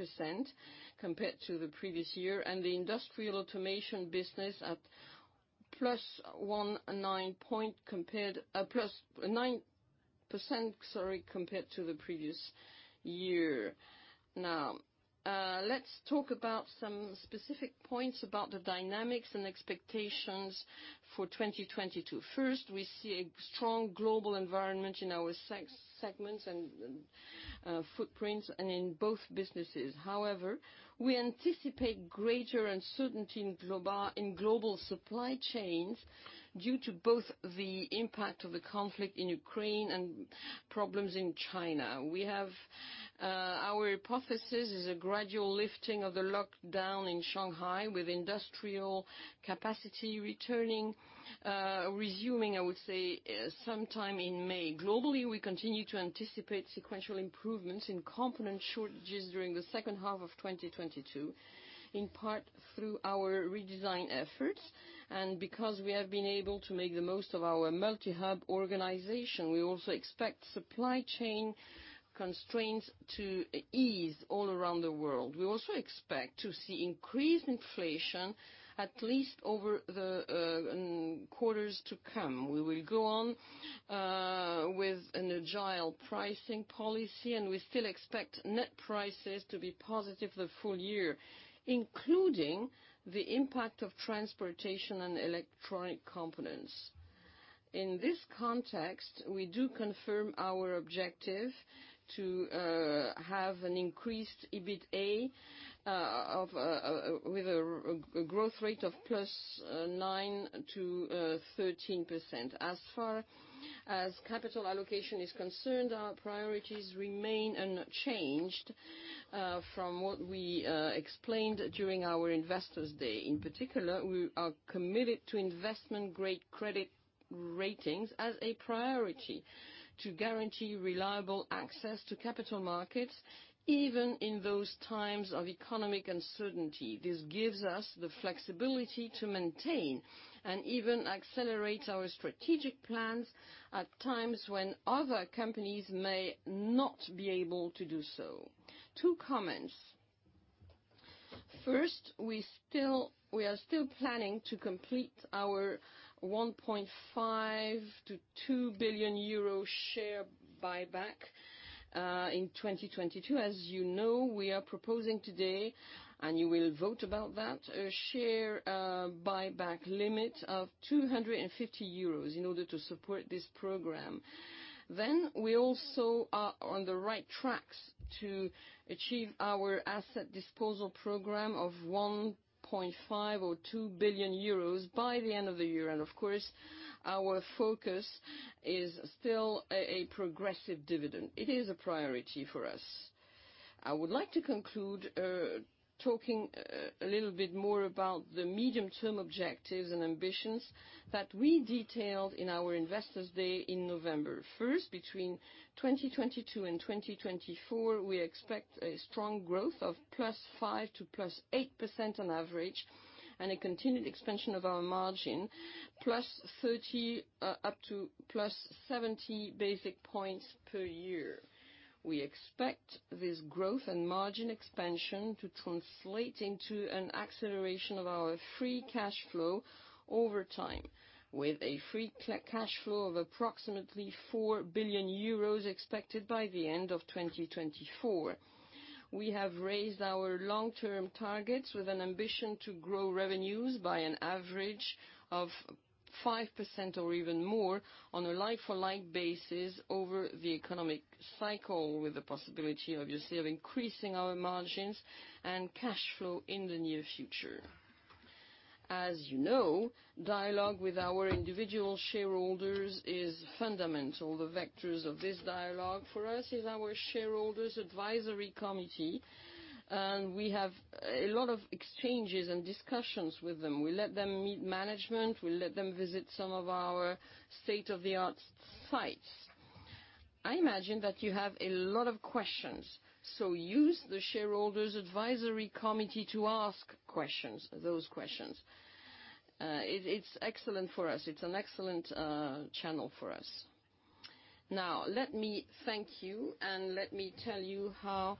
compared to the previous year, and the Industrial Automation business at +9%, sorry, compared to the previous year. Now, let's talk about some specific points about the dynamics and expectations for 2022. First, we see a strong global environment in our segments and footprints and in both businesses. However, we anticipate greater uncertainty in global supply chains due to both the impact of the conflict in Ukraine and problems in China. We have our hypothesis is a gradual lifting of the lockdown in Shanghai with industrial capacity returning, resuming, I would say, sometime in May. Globally, we continue to anticipate sequential improvements in component shortages during the second half of 2022, in part through our redesign efforts. Because we have been able to make the most of our multi-hub organization, we also expect supply chain constraints to ease all around the world. We also expect to see increased inflation at least over the quarters to come. We will go on with an agile pricing policy, and we still expect net prices to be positive the full year, including the impact of transportation and electronic components. In this context, we do confirm our objective to have an increased EBITA with a growth rate of +9% to +13%. As far as capital allocation is concerned, our priorities remain unchanged from what we explained during our Investors Day. In particular, we are committed to investment-grade credit ratings as a priority to guarantee reliable access to capital markets, even in those times of economic uncertainty. This gives us the flexibility to maintain and even accelerate our strategic plans at times when other companies may not be able to do so. Two comments. First, we still... We are still planning to complete our 1.5 billion-2 billion euro share buyback in 2022. As you know, we are proposing today, and you will vote about that, a share buyback limit of 250 euros in order to support this program. We also are on the right tracks to achieve our asset disposal program of 1.5 billion or 2 billion euros by the end of the year. Of course, our focus is still a progressive dividend. It is a priority for us. I would like to conclude talking a little bit more about the medium-term objectives and ambitions that we detailed in our Investors Day in November. First, between 2022 and 2024, we expect a strong growth of +5% to +8% on average and a continued expansion of our margin +30 up to +70 basis points per year. We expect this growth and margin expansion to translate into an acceleration of our free cash flow over time, with a free cash flow of approximately 4 billion euros expected by the end of 2024. We have raised our long-term targets with an ambition to grow revenues by an average of 5% or even more on a like-for-like basis over the economic cycle, with the possibility, obviously, of increasing our margins and cash flow in the near future. As you know, dialogue with our individual shareholders is fundamental. The vectors of this dialogue for us is our shareholders' advisory committee, and we have a lot of exchanges and discussions with them. We let them meet management. We let them visit some of our state-of-the-art sites. I imagine that you have a lot of questions, so use the Shareholders' Advisory Committee to ask questions, those questions. It's excellent for us. It's an excellent channel for us. Now let me thank you and let me tell you how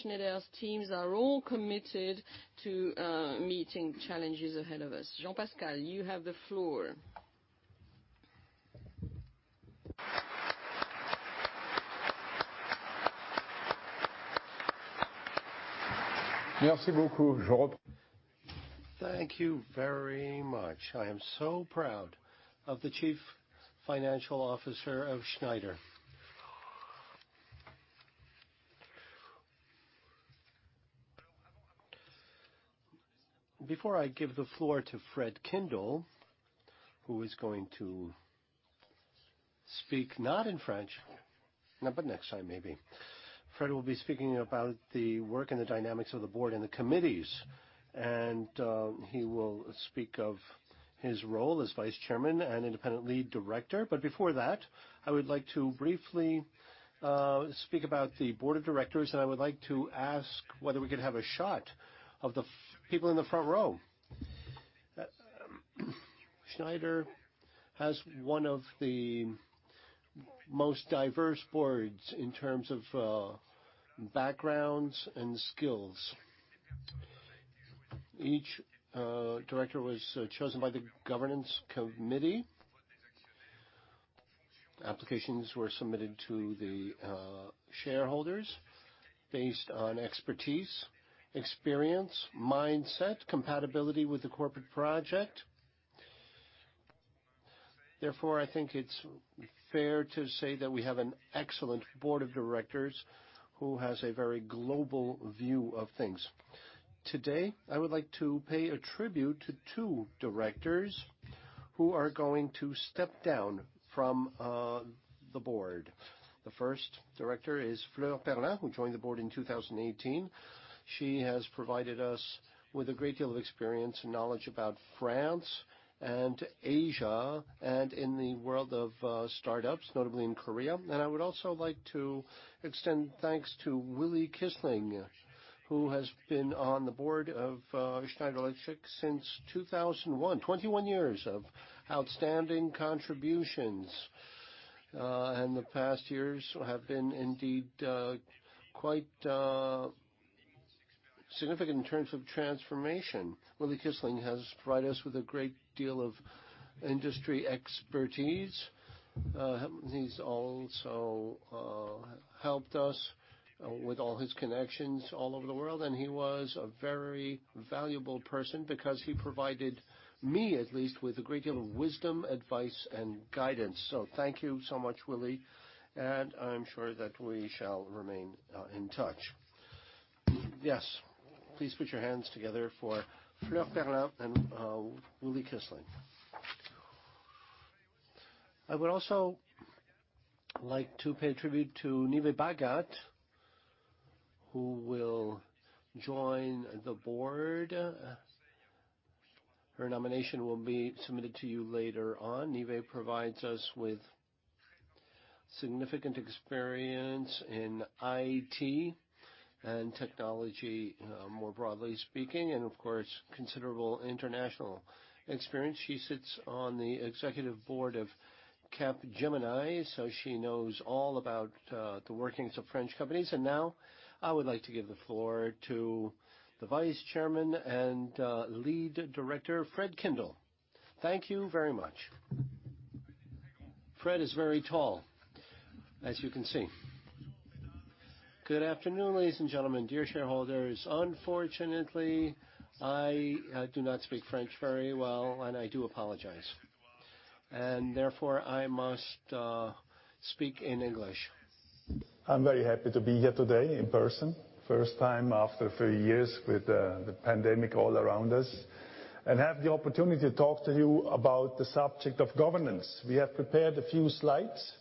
Schneider's teams are all committed to meeting challenges ahead of us. Jean-Pascal, you have the floor. Thank you very much. I am so proud of the chief financial officer of Schneider. Before I give the floor to Fred Kindle, who is going to speak not in French, no, but next time maybe. Fred will be speaking about the work and the dynamics of the Board and the committees. He will speak of his role as Vice Chairman and Lead Independent Director. Before that, I would like to briefly speak about the Board of Directors, and I would like to ask whether we could have a shot of the people in the front row. Schneider has one of the most diverse boards in terms of backgrounds and skills. Each director was chosen by the governance committee. Applications were submitted to the shareholders based on expertise, experience, mindset, compatibility with the corporate project. Therefore, I think it's fair to say that we have an excellent Board of Directors who has a very global view of things. Today, I would like to pay a tribute to two directors who are going to step down from the board. The first director is Fleur Pellerin, who joined the board in 2018. She has provided us with a great deal of experience and knowledge about France and Asia, and in the world of start-ups, notably in Korea. I would also like to extend thanks to Willy Kissling, who has been on the Board of Schneider Electric since 2001. 21 years of outstanding contributions. The past years have been indeed quite significant in terms of transformation. Willy Kissling has provided us with a great deal of industry expertise. He's also helped us with all his connections all over the world, and he was a very valuable person because he provided me, at least, with a great deal of wisdom, advice, and guidance. So thank you so much, Willy, and I'm sure that we shall remain in touch. Please put your hands together for Fleur Pellerin and Willy Kissling. I would also like to pay tribute to Nive Bhagat, who will join the board. Her nomination will be submitted to you later on. Nive provides us with significant experience in IT and technology, more broadly speaking, and of course, considerable international experience. She sits on the executive board of Capgemini, so she knows all about the workings of French companies. Now I would like to give the floor to the Vice Chairman and Lead Director, Fred Kindle. Thank you very much. Fred is very tall, as you can see. Good afternoon, ladies and gentlemen, dear shareholders. Unfortunately, I do not speak French very well, and I do apologize. Therefore, I must speak in English. I'm very happy to be here today in person, first time after three years with the pandemic all around us, and have the opportunity to talk to you about the subject of governance. We have prepared a few slides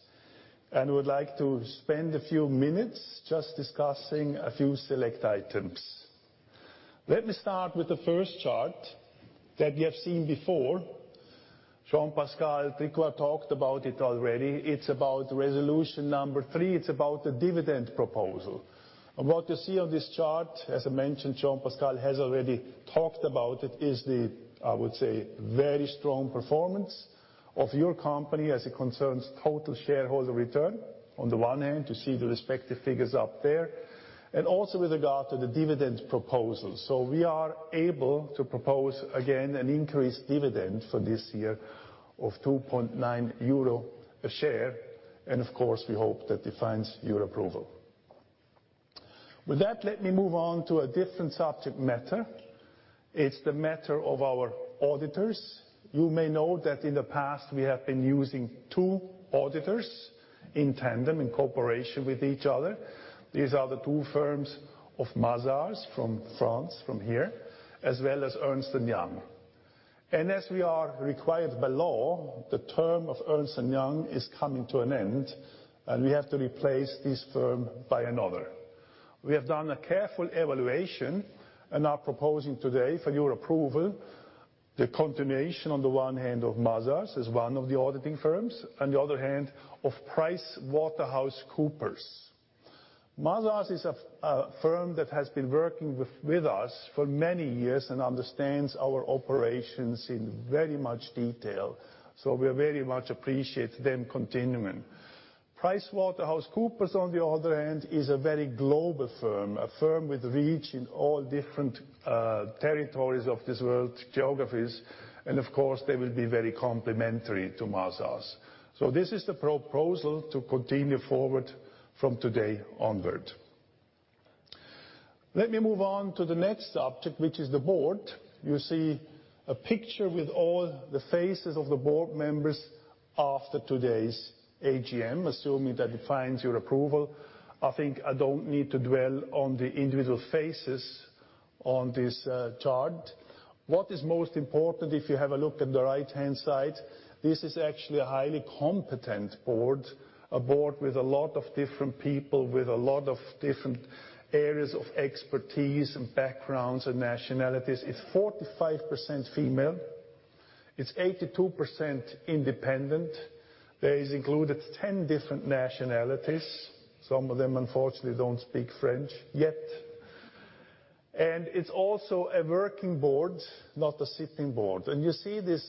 and would like to spend a few minutes just discussing a few select items. Let me start with the first chart that you have seen before. Jean-Pascal Tricoire talked about it already. It's about resolution number three. It's about the dividend proposal. What you see on this chart, as I mentioned, Jean-Pascal has already talked about it, is the, I would say, very strong performance of your company as it concerns total shareholder return on the one hand, to see the respective figures up there, and also with regard to the dividend proposal. We are able to propose again an increased dividend for this year of 2.9 euro a share, and of course, we hope that it finds your approval. With that, let me move on to a different subject matter. It's the matter of our auditors. You may know that in the past, we have been using two auditors in tandem, in cooperation with each other. These are the two firms of Mazars from France, from here, as well as Ernst & Young. As we are required by law, the term of Ernst & Young is coming to an end, and we have to replace this firm by another. We have done a careful evaluation and are proposing today for your approval the continuation on the one hand of Mazars as one of the auditing firms, on the other hand of PricewaterhouseCoopers. Mazars is a firm that has been working with us for many years and understands our operations in very much detail. We very much appreciate them continuing. PricewaterhouseCoopers, on the other hand, is a very global firm, a firm with reach in all different territories of this world geographies, and of course, they will be very complementary to Mazars. This is the proposal to continue forward from today onward. Let me move on to the next subject, which is the board. You see a picture with all the faces of the board members after today's AGM, assuming that it finds your approval. I think I don't need to dwell on the individual faces on this chart. What is most important if you have a look at the right-hand side, this is actually a highly competent board. A board with a lot of different people, with a lot of different areas of expertise and backgrounds and nationalities. It's 45% female, it's 82% independent. There is included 10 different nationalities. Some of them unfortunately don't speak French, yet. It's also a working board, not a sitting board. You see this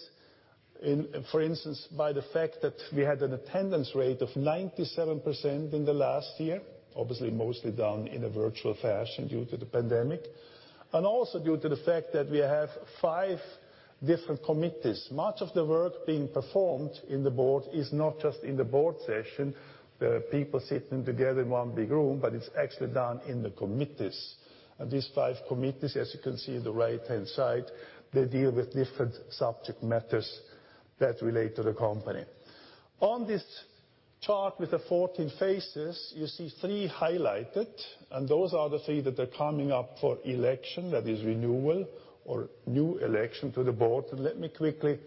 in, for instance, by the fact that we had an attendance rate of 97% in the last year, obviously mostly done in a virtual fashion due to the pandemic, and also due to the fact that we have five different committees. Much of the work being performed in the board is not just in the board session, the people sitting together in one big room, but it's actually done in the committees. These five committees, as you can see on the right-hand side, they deal with different subject matters that relate to the company. On this chart with the 14 faces, you see three highlighted, and those are the three that are coming up for election, that is renewal or new election to the board. Let me quickly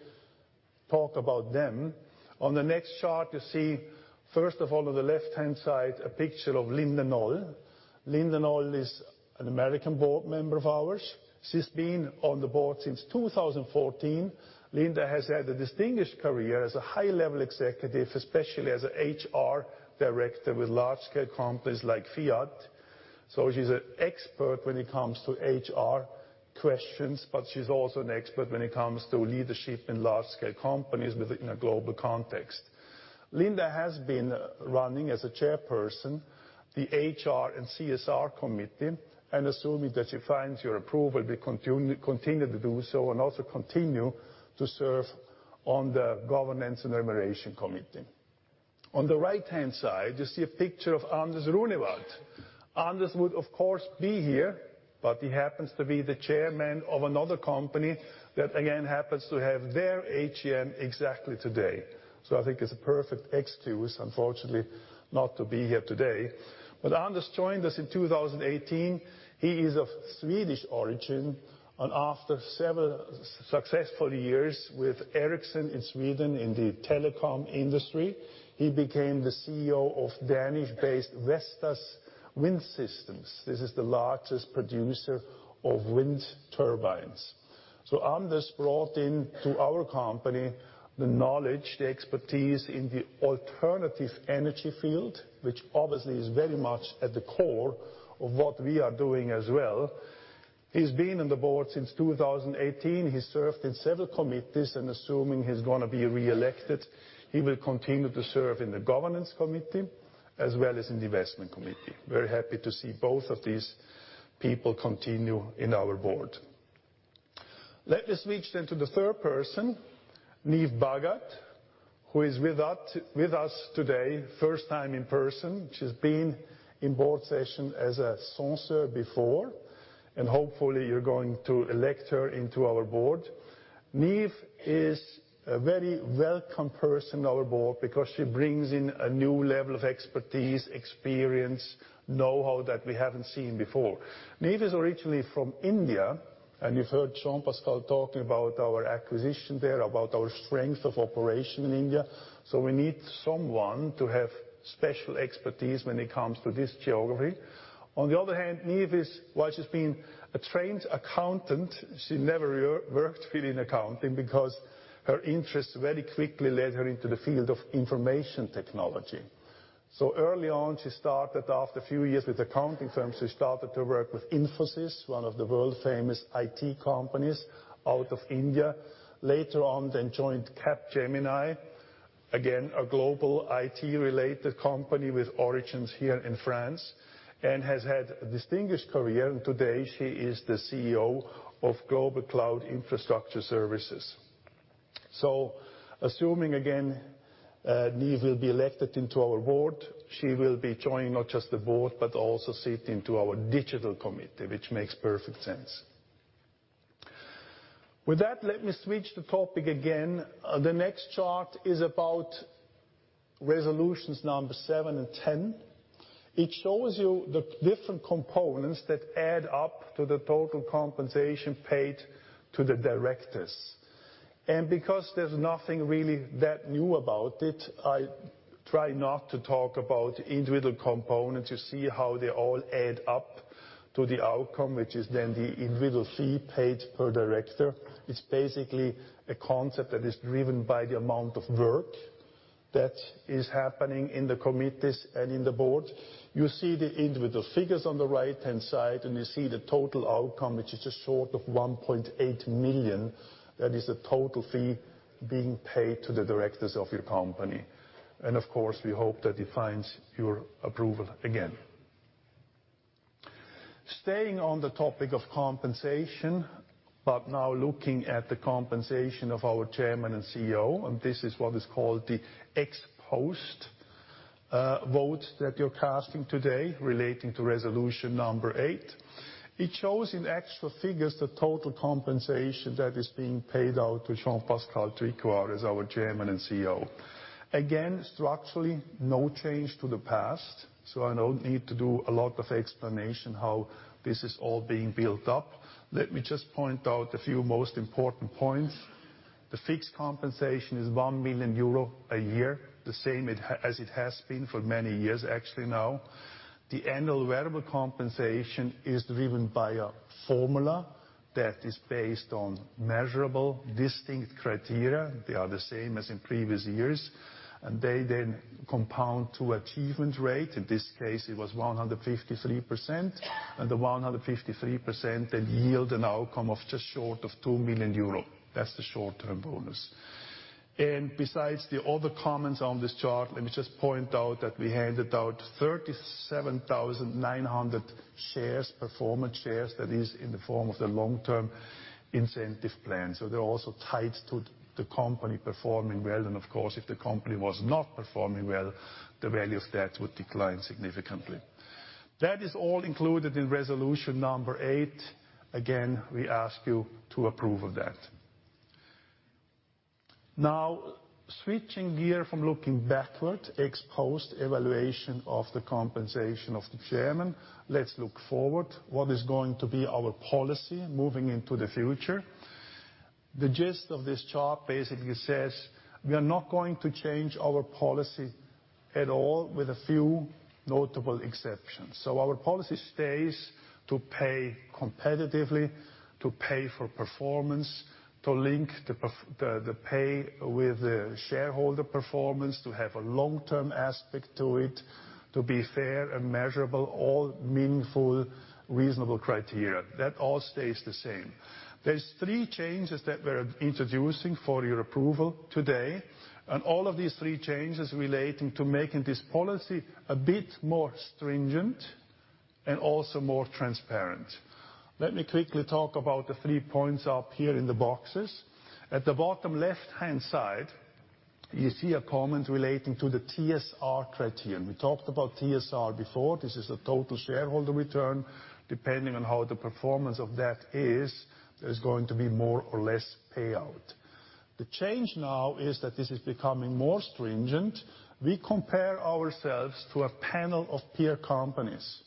talk about them. On the next chart, you see, first of all, on the left-hand side, a picture of Linda Knoll. Linda Knoll is an American board member of ours. She's been on the board since 2014. Linda Knoll has had a distinguished career as a high-level executive, especially as an HR director with large-scale companies like Fiat. She's an expert when it comes to HR questions, but she's also an expert when it comes to leadership in large-scale companies with a global context. Linda has been running as a chairperson, the HR and CSR committee, and assuming that she finds your approval, will continue to do so, and also continue to serve on the governance and remuneration committee. On the right-hand side, you see a picture of Anders Runevad. Anders would, of course, be here, but he happens to be the chairman of another company that, again, happens to have their AGM exactly today. I think it's a perfect excuse, unfortunately, not to be here today. Anders joined us in 2018. He is of Swedish origin, and after several successful years with Ericsson in Sweden in the telecom industry, he became the CEO of Danish-based Vestas Wind Systems. This is the largest producer of wind turbines. Anders brought into our company the knowledge, the expertise in the alternative energy field, which obviously is very much at the core of what we are doing as well. He's been on the board since 2018. He served in several committees, and assuming he's gonna be reelected, he will continue to serve in the governance committee, as well as in the investment committee. Very happy to see both of these people continue in our board. Let me switch then to the third person, Nive Bhagat, who is with that, with us today, first time in person. She's been in board session as an observer before, and hopefully you're going to elect her into our board. Nive is a very welcome person in our board because she brings in a new level of expertise, experience, know-how that we haven't seen before. Nive is originally from India, and you've heard Jean-Pascal talking about our acquisition there, about our strength of operation in India. We need someone to have special expertise when it comes to this geography. On the other hand, while she's been a trained accountant, she never worked really in accounting because her interest very quickly led her into the field of information technology. Early on, she started, after a few years with accounting firms, to work with Infosys, one of the world-famous IT companies out of India. Later on, then joined Capgemini, again, a global IT-related company with origins here in France and has had a distinguished career. Today she is the CEO of Global Cloud Infrastructure Services. Assuming again, Nive will be elected into our board, she will be joining not just the board, but also sit into our digital committee, which makes perfect sense. With that, let me switch the topic again. The next chart is about resolutions number seven and 10. It shows you the different components that add up to the total compensation paid to the directors. Because there's nothing really that new about it, I try not to talk about individual components. You see how they all add up to the outcome, which is then the individual fee paid per director. It's basically a concept that is driven by the amount of work that is happening in the committees and in the board. You see the individual figures on the right-hand side, and you see the total outcome, which is just short of 1.8 million. That is the total fee being paid to the directors of your company. Of course, we hope that it finds your approval again. Staying on the topic of compensation but now looking at the compensation of our Chairman and CEO, and this is what is called the ex-post vote that you're casting today relating to resolution number eight. It shows in actual figures the total compensation that is being paid out to Jean-Pascal Tricoire as our Chairman and CEO. Again, structurally, no change to the past, so I don't need to do a lot of explanation how this is all being built up. Let me just point out a few most important points. The fixed compensation is 1 million euro a year, the same it has been for many years actually now. The annual variable compensation is driven by a formula that is based on measurable, distinct criteria. They are the same as in previous years, and they then compound to achievement rate. In this case, it was 153%. The 153% then yield an outcome of just short of 2 million euro. That's the short-term bonus. Besides the other comments on this chart, let me just point out that we handed out 37,900 shares, performance shares, that is in the form of the long-term incentive plan. They're also tied to the company performing well, and of course, if the company was not performing well, the value of that would decline significantly. That is all included in resolution number eight. Again, we ask you to approve of that. Now, switching gear from looking backward, ex-post evaluation of the compensation of the Chairman, let's look forward. What is going to be our policy moving into the future? The gist of this chart basically says, we are not going to change our policy at all with a few notable exceptions. Our policy stays to pay competitively, to pay for performance, to link the pay with the shareholder performance, to have a long-term aspect to it, to be fair and measurable, all meaningful, reasonable criteria. That all stays the same. There's three changes that we're introducing for your approval today, and all of these three changes relating to making this policy a bit more stringent and also more transparent. Let me quickly talk about the three points up here in the boxes. At the bottom left-hand side, you see a comment relating to the TSR criterion. We talked about TSR before. This is the total shareholder return. Depending on how the performance of that is, there's going to be more or less payout. The change now is that this is becoming more stringent. We compare ourselves to a panel of peer companies.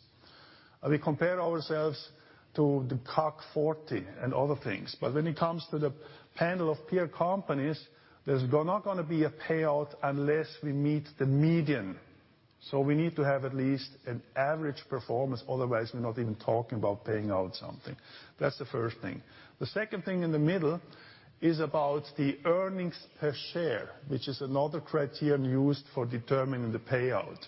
We compare ourselves to the CAC 40 and other things. When it comes to the panel of peer companies, there's not gonna be a payout unless we meet the median. We need to have at least an average performance, otherwise, we're not even talking about paying out something. That's the first thing. The second thing in the middle is about the earnings per share, which is another criterion used for determining the payout.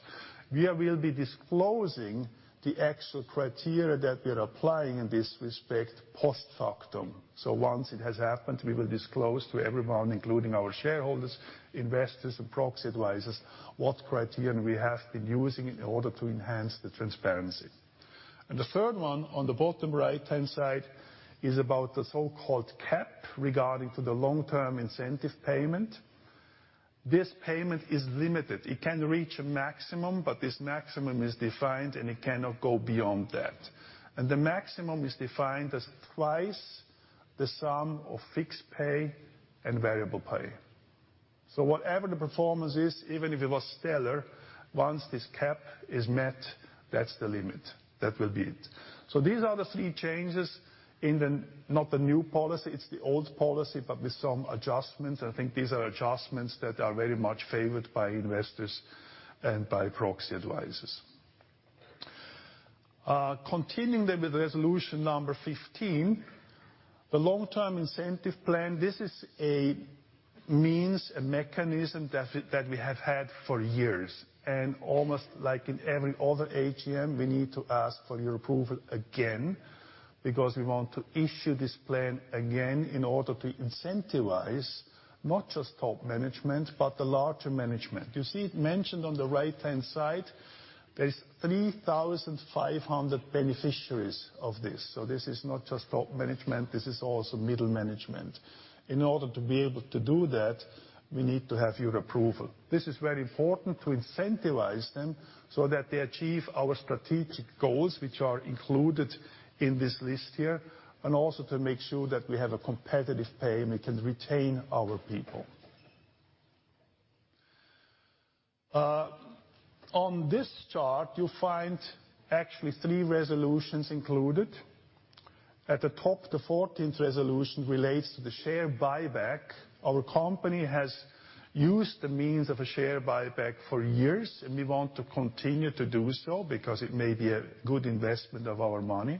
We will be disclosing the actual criteria that we are applying in this respect post factum. Once it has happened, we will disclose to everyone, including our shareholders, investors, and proxy advisors, what criterion we have been using in order to enhance the transparency. The third one, on the bottom right-hand side, is about the so-called cap regarding to the long-term incentive payment. This payment is limited. It can reach a maximum, but this maximum is defined, and it cannot go beyond that. The maximum is defined as twice the sum of fixed pay and variable pay. Whatever the performance is, even if it was stellar, once this cap is met, that's the limit. That will be it. These are the three changes in the, not the new policy, it's the old policy, but with some adjustments. I think these are adjustments that are very much favored by investors and by proxy advisors. Continuing with resolution number 15, the long-term incentive plan, this is a means, a mechanism that we have had for years. Almost like in every other AGM, we need to ask for your approval again because we want to issue this plan again in order to incentivize not just top management, but the larger management. You see it mentioned on the right-hand side, there's 3,500 beneficiaries of this. This is not just top management. This is also middle management. In order to be able to do that, we need to have your approval. This is very important to incentivize them so that they achieve our strategic goals, which are included in this list here, and also to make sure that we have a competitive pay, and we can retain our people. On this chart, you'll find actually three resolutions included. At the top, the 14th resolution relates to the share buyback. Our company has used the means of a share buyback for years, and we want to continue to do so because it may be a good investment of our money.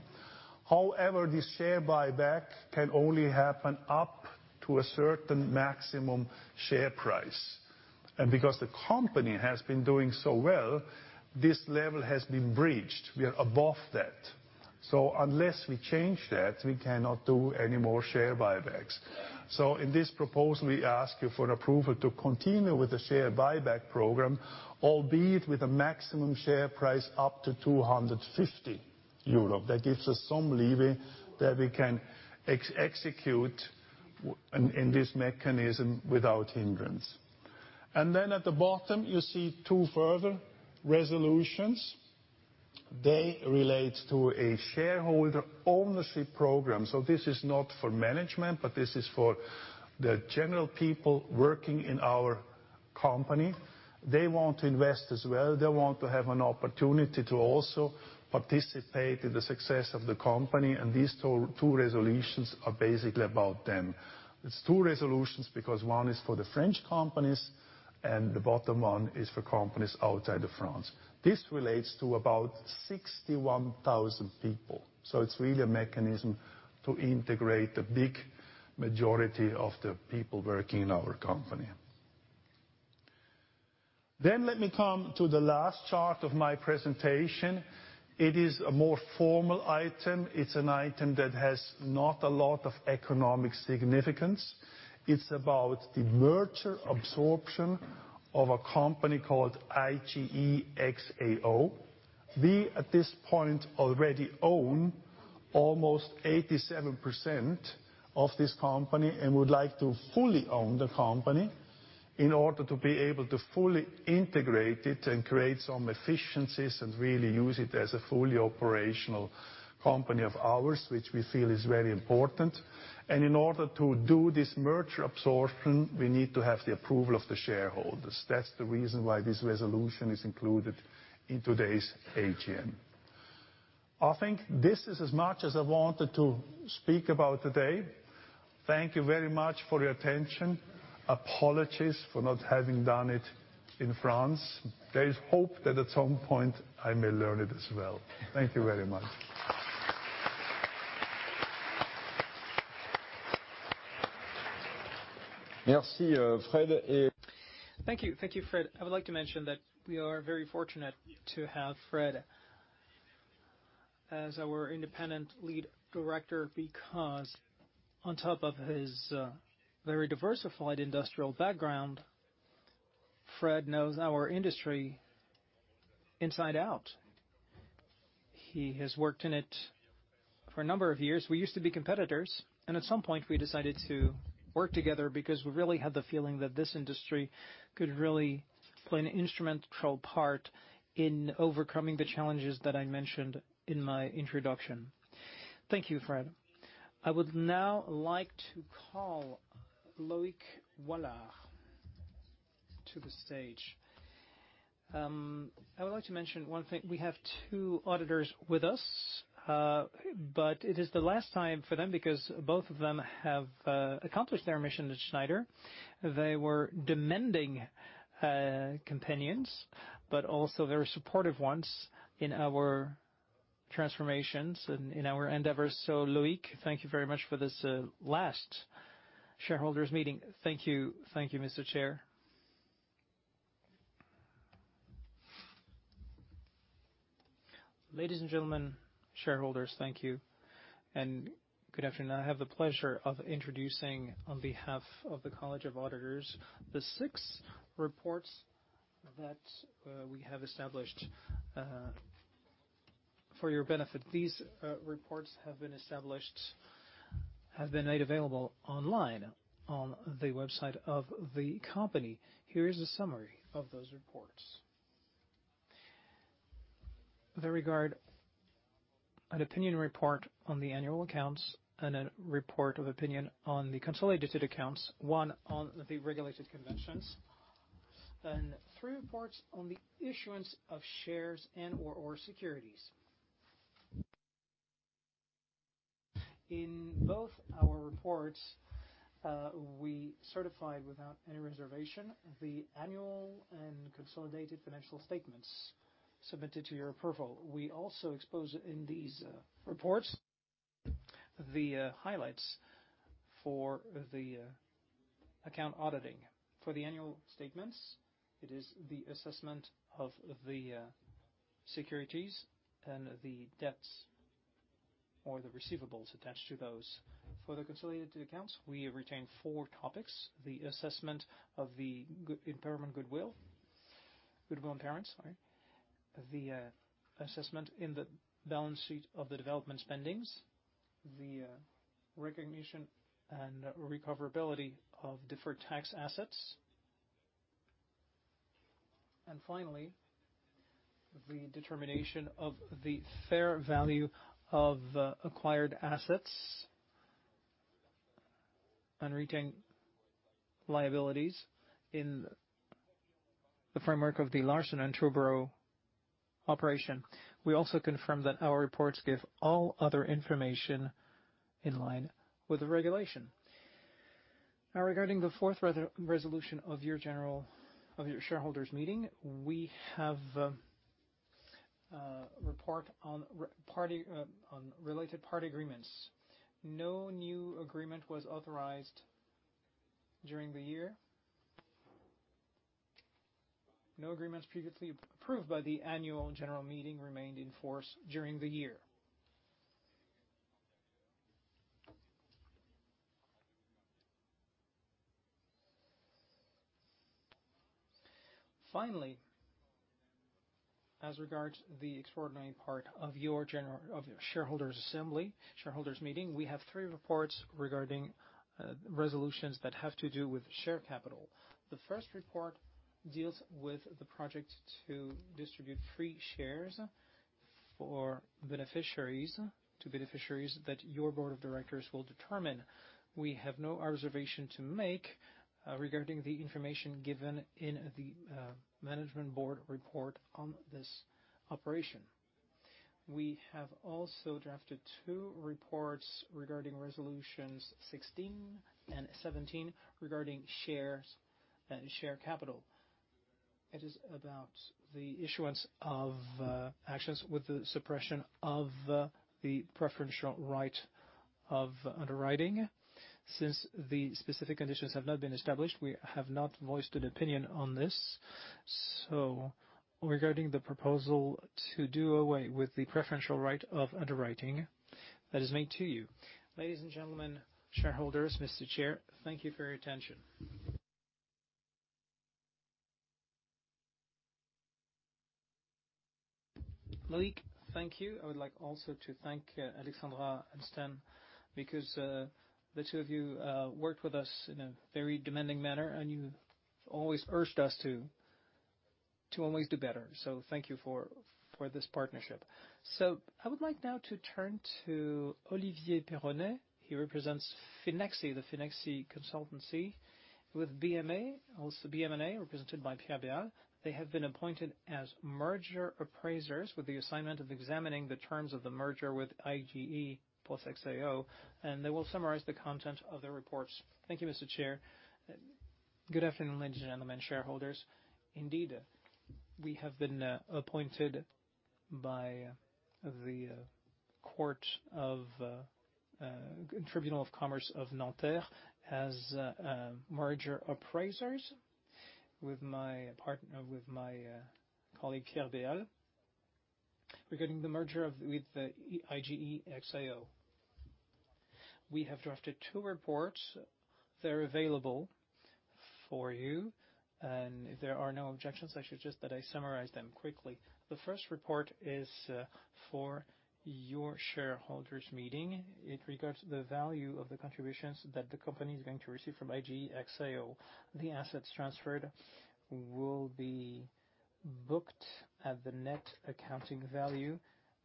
However, this share buyback can only happen up to a certain maximum share price. Because the company has been doing so well, this level has been breached. We are above that. Unless we change that, we cannot do any more share buybacks. In this proposal, we ask you for an approval to continue with the share buyback program, albeit with a maximum share price up to 250 euro. That gives us some leeway that we can execute in this mechanism without hindrance. Then at the bottom, you see two further resolutions. They relate to a shareholder ownership program. This is not for management, but this is for the general people working in our company. They want to invest as well. They want to have an opportunity to also participate in the success of the company, and these two resolutions are basically about them. It's two resolutions because one is for the French companies and the bottom one is for companies outside of France. This relates to about 61,000 people. It's really a mechanism to integrate the big majority of the people working in our company. Let me come to the last chart of my presentation. It is a more formal item. It's an item that has not a lot of economic significance. It's about the merger absorption of a company called IGE+XAO. We, at this point, already own almost 87% of this company and would like to fully own the company in order to be able to fully integrate it and create some efficiencies and really use it as a fully operational company of ours, which we feel is very important. In order to do this merger absorption, we need to have the approval of the shareholders. That's the reason why this resolution is included in today's AGM. I think this is as much as I wanted to speak about today. Thank you very much for your attention. Apologies for not having done it in France. There is hope that at some point, I may learn it as well. Thank you very much. Merci, Fred. Thank you. Thank you, Fred. I would like to mention that we are very fortunate to have Fred as our independent lead director because on top of his very diversified industrial background, Fred knows our industry inside out. He has worked in it for a number of years. We used to be competitors, and at some point, we decided to work together because we really had the feeling that this industry could really play an instrumental part in overcoming the challenges that I mentioned in my introduction. Thank you, Fred. I would now like to call Loïc Wallaert to the stage. I would like to mention one thing. We have two auditors with us, but it is the last time for them because both of them have accomplished their mission to Schneider. They were demanding, companions, but also very supportive ones in our transformations and in our endeavors. Loïc, thank you very much for this, last shareholders meeting. Thank you. Thank you, Mr. Chair. Ladies and gentlemen, shareholders, thank you. Good afternoon. I have the pleasure of introducing on behalf of the College of Auditors, the six reports that, we have established, for your benefit. These, reports have been established, have been made available online on the website of the company. Here is a summary of those reports. With regard to an opinion report on the annual accounts and a report of opinion on the consolidated accounts, one on the regulated conventions, then three reports on the issuance of shares and/or securities. In both our reports, we certified without any reservation the annual and consolidated financial statements submitted to your approval. We also expose in these reports the highlights for the account auditing. For the annual statements, it is the assessment of the securities and the debts or the receivables attached to those. For the consolidated accounts, we retain four topics, the assessment of goodwill impairments, the assessment in the balance sheet of the development spending, the recognition and recoverability of deferred tax assets. Finally, the determination of the fair value of acquired assets and retained liabilities in the framework of the Larsen & Toubro operation. We also confirm that our reports give all other information in line with the regulation. Now regarding the fourth resolution of your general meeting of shareholders, we have a report on related party agreements. No new agreement was authorized during the year. No agreements previously approved by the annual general meeting remained in force during the year. Finally, as regards the extraordinary part of your shareholders meeting, we have three reports regarding resolutions that have to do with share capital. The first report deals with the project to distribute free shares to beneficiaries that your Board of Directors will determine. We have no observation to make regarding the information given in the management board report on this operation. We have also drafted two reports regarding resolutions 16 and 17 regarding shares and share capital. It is about the issuance of shares with the suppression of the preferential right of subscription. Since the specific conditions have not been established, we have not voiced an opinion on this. Regarding the proposal to do away with the preferential right of underwriting that is made to you. Ladies and gentlemen, shareholders, Mr. Chair, thank you for your attention. Loïc, thank you. I would like also to thank Alexandre and Stan because the two of you worked with us in a very demanding manner, and you always urged us to always do better. Thank you for this partnership. I would like now to turn to Olivier Péronnet. He represents Finexsi, the Finexsi Consultancy with BM&A, also BM&A, represented by Pierre Béal. They have been appointed as merger appraisers with the assignment of examining the terms of the merger with IGE+XAO, and they will summarize the content of their reports. Thank you, Mr. Chair. Good afternoon, ladies and gentlemen, shareholders. Indeed, we have been appointed by the court of Tribunal of Commerce of Nanterre as merger appraisers with my colleague, Pierre Béal, regarding the merger with the IGE+XAO. We have drafted two reports. They're available for you, and if there are no objections, I suggest that I summarize them quickly. The first report is for your shareholders meeting in regards to the value of the contributions that the company is going to receive from IGE+XAO. The assets transferred will be booked at the net accounting value,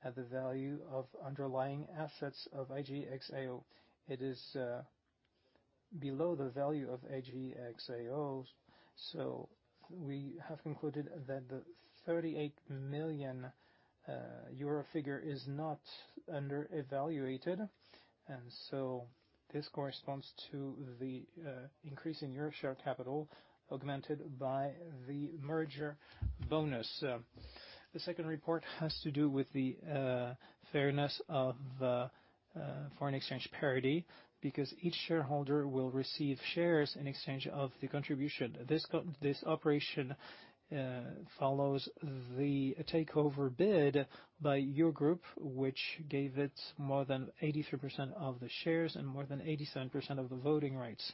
at the value of underlying assets of IGE+XAO. It is below the value of IGE+XAO's, so we have concluded that the 38 million euro figure is not underevaluated. This corresponds to the increase in your share capital augmented by the merger bonus. The second report has to do with the fairness of foreign exchange parity, because each shareholder will receive shares in exchange of the contribution. This operation follows the takeover bid by your group, which gave it more than 83% of the shares and more than 87% of the voting rights.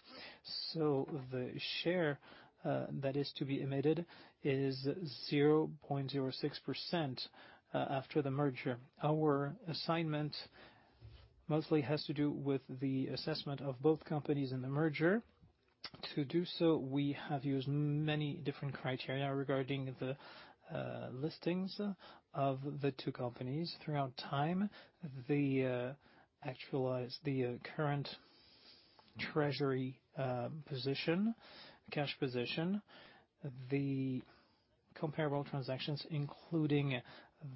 The share that is to be emitted is 0.06% after the merger. Our assignment mostly has to do with the assessment of both companies in the merger. To do so, we have used many different criteria regarding the listings of the two companies throughout time, the actualized current treasury position, cash position, the comparable transactions, including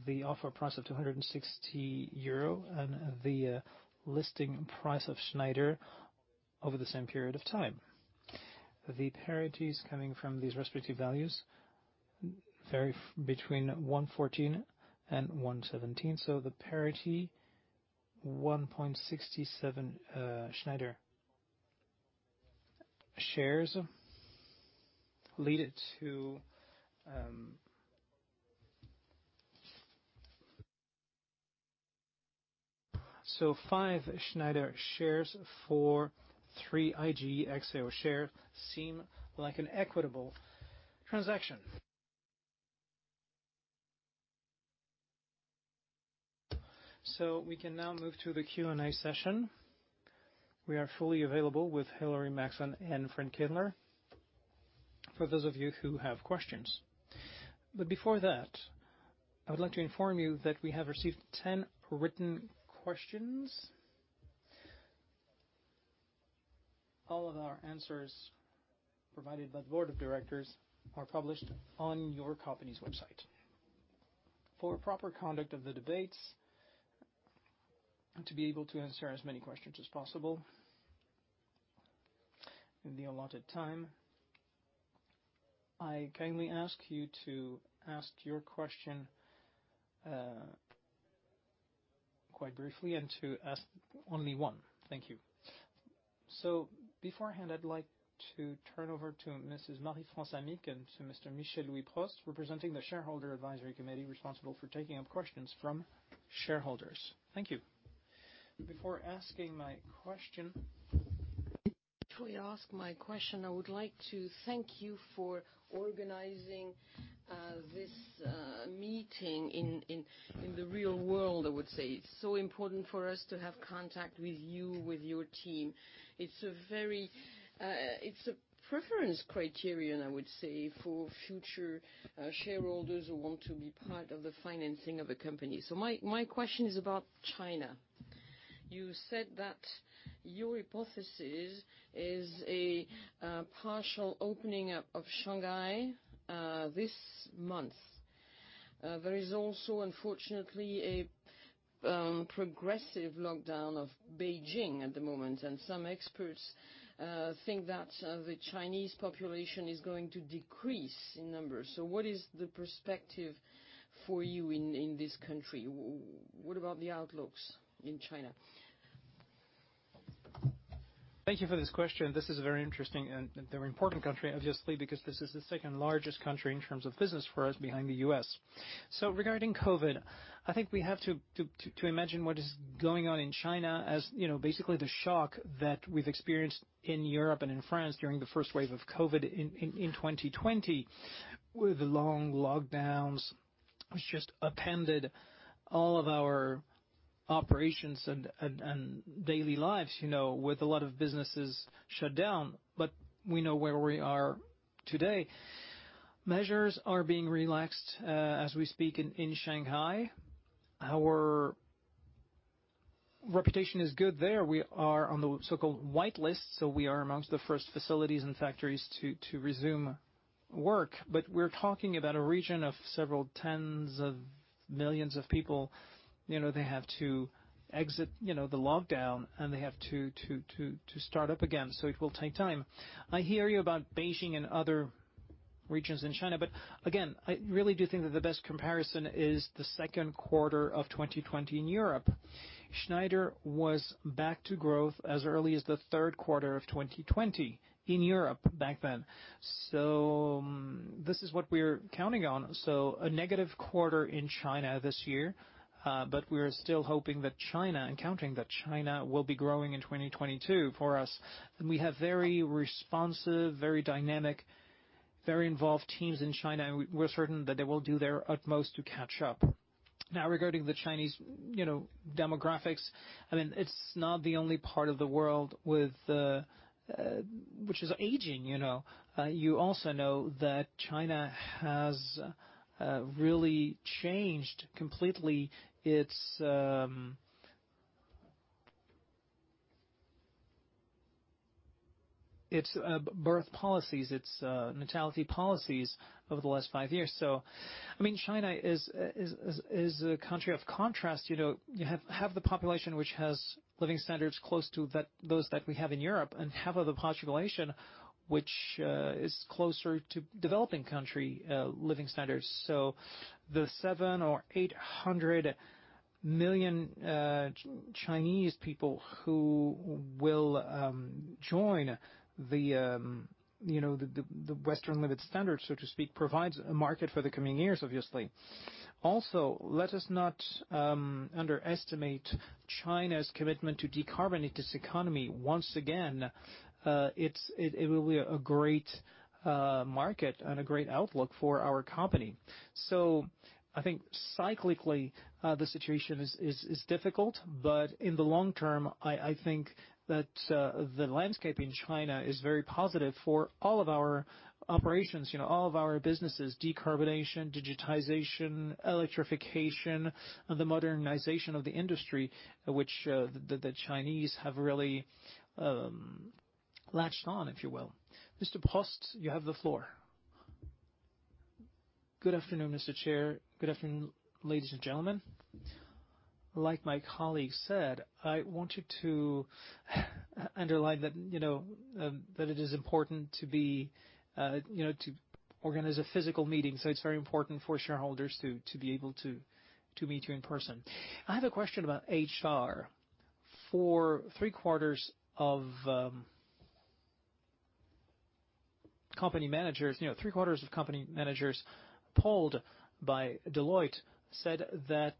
the offer price of 260 euro and the listing price of Schneider Electric over the same period of time. The parities coming from these respective values vary between 1.14 and 1.17, so the parity 1.67, Schneider shares leading to five Schneider shares for three IGE+XAO shares seem like an equitable transaction. We can now move to the Q&A session. We are fully available with Hilary Maxson and Fred Kindle for those of you who have questions. Before that, I would like to inform you that we have received 10 written questions. All of our answers provided by the Board of directors are published on your company's website. For proper conduct of the debates, to be able to answer as many questions as possible in the allotted time, I kindly ask you to ask your question quite briefly and to ask only one. Thank you. Beforehand, I'd like to turn over to Mrs. Marie-France Amic and to Mr. Michel-Louis Prost, representing the Shareholder Advisory Committee responsible for taking up questions from shareholders. Thank you. Before I ask my question, I would like to thank you for organizing this meeting in the real world, I would say. It's so important for us to have contact with you, with your team. It's a very preference criterion, I would say, for future shareholders who want to be part of the financing of a company. My question is about China. You said that your hypothesis is a partial opening up of Shanghai this month. There is also, unfortunately, a progressive lockdown of Beijing at the moment, and some experts think that the Chinese population is going to decrease in numbers. What is the perspective for you in this country? What about the outlooks in China? Thank you for this question. This is a very interesting and very important country, obviously, because this is the second-largest country in terms of business for us, behind the U.S. Regarding COVID, I think we have to imagine what is going on in China, you know, basically the shock that we've experienced in Europe and in France during the first wave of COVID in 2020, with the long lockdowns, which just upended all of our operations and daily lives, you know, with a lot of businesses shut down. We know where we are today. Measures are being relaxed as we speak in Shanghai. Our reputation is good there. We are on the so-called whitelist, so we are amongst the first facilities and factories to resume work. We're talking about a region of several tens of millions of people. You know, they have to exit the lockdown, and they have to start up again, so it will take time. I hear you about Beijing and other regions in China, but again, I really do think that the best comparison is the second quarter of 2020 in Europe. Schneider was back to growth as early as the third quarter of 2020 in Europe back then. This is what we're counting on. A negative quarter in China this year, but we're still hoping that China, and counting that China will be growing in 2022 for us. We have very responsive, very dynamic, very involved teams in China, and we're certain that they will do their utmost to catch up. Now, regarding the Chinese, you know, demographics, I mean, it's not the only part of the world with which is aging, you know. You also know that China has really changed completely its birth policies, its natality policies over the last five years. I mean, China is a country of contrasts, you know. You have the population which has living standards close to that, those that we have in Europe, and half of the population which is closer to developing country living standards. The 700-800 million Chinese people who will join the, you know, the Western living standards, so to speak, provides a market for the coming years, obviously. Also, let us not underestimate China's commitment to decarbonate its economy. Once again, it will be a great market and a great outlook for our company. I think cyclically, the situation is difficult, but in the long term, I think that the landscape in China is very positive for all of our operations, you know, all of our businesses: decarbonation, digitization, electrification, the modernization of the industry, which the Chinese have really latched on, if you will. Mr. Prost, you have the floor. Good afternoon, Mr. Chair. Good afternoon, ladies and gentlemen. Like my colleague said, I wanted to underline that, you know, that it is important, you know, to organize a physical meeting, so it's very important for shareholders to be able to meet you in person. I have a question about HR. For 3/4 of company managers, you know, 3/4 of company managers polled by Deloitte said that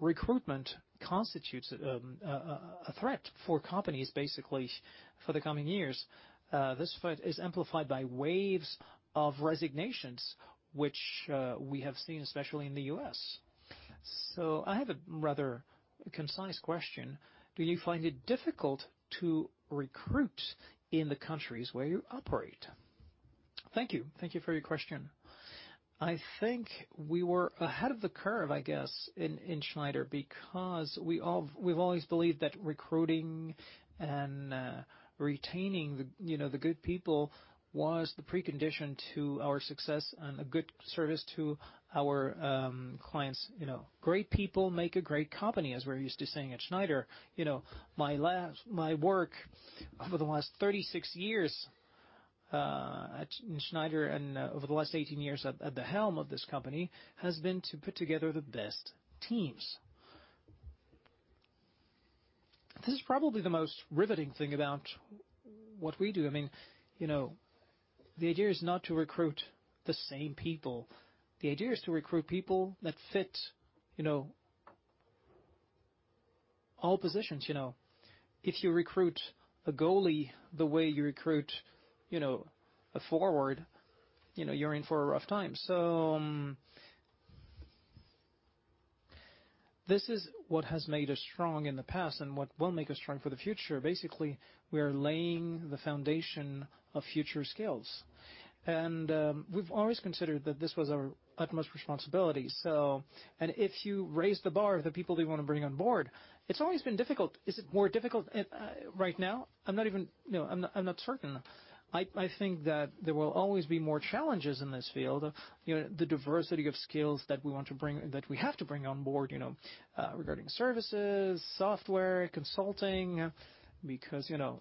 recruitment constitutes a threat for companies, basically, for the coming years. This fact is amplified by waves of resignations, which we have seen, especially in the U.S. I have a rather concise question. Do you find it difficult to recruit in the countries where you operate? Thank you. Thank you for your question. I think we were ahead of the curve, I guess, in Schneider, because we've always believed that recruiting and retaining, you know, the good people was the precondition to our success and a good service to our clients. You know, great people make a great company, as we're used to saying at Schneider. You know, my work over the last 36 years at Schneider and over the last 18 years at the helm of this company has been to put together the best teams. This is probably the most riveting thing about what we do. I mean, you know, the idea is not to recruit the same people. The idea is to recruit people that fit, you know, all positions, you know. If you recruit a goalie the way you recruit, you know, a forward, you know you're in for a rough time. This is what has made us strong in the past and what will make us strong for the future. Basically, we are laying the foundation of future skills, and we've always considered that this was our utmost responsibility. If you raise the bar of the people that you wanna bring on board, it's always been difficult. Is it more difficult, right now? You know, I'm not certain. I think that there will always be more challenges in this field. You know, the diversity of skills that we want to bring, that we have to bring on board, you know, regarding services, software, consulting, because, you know,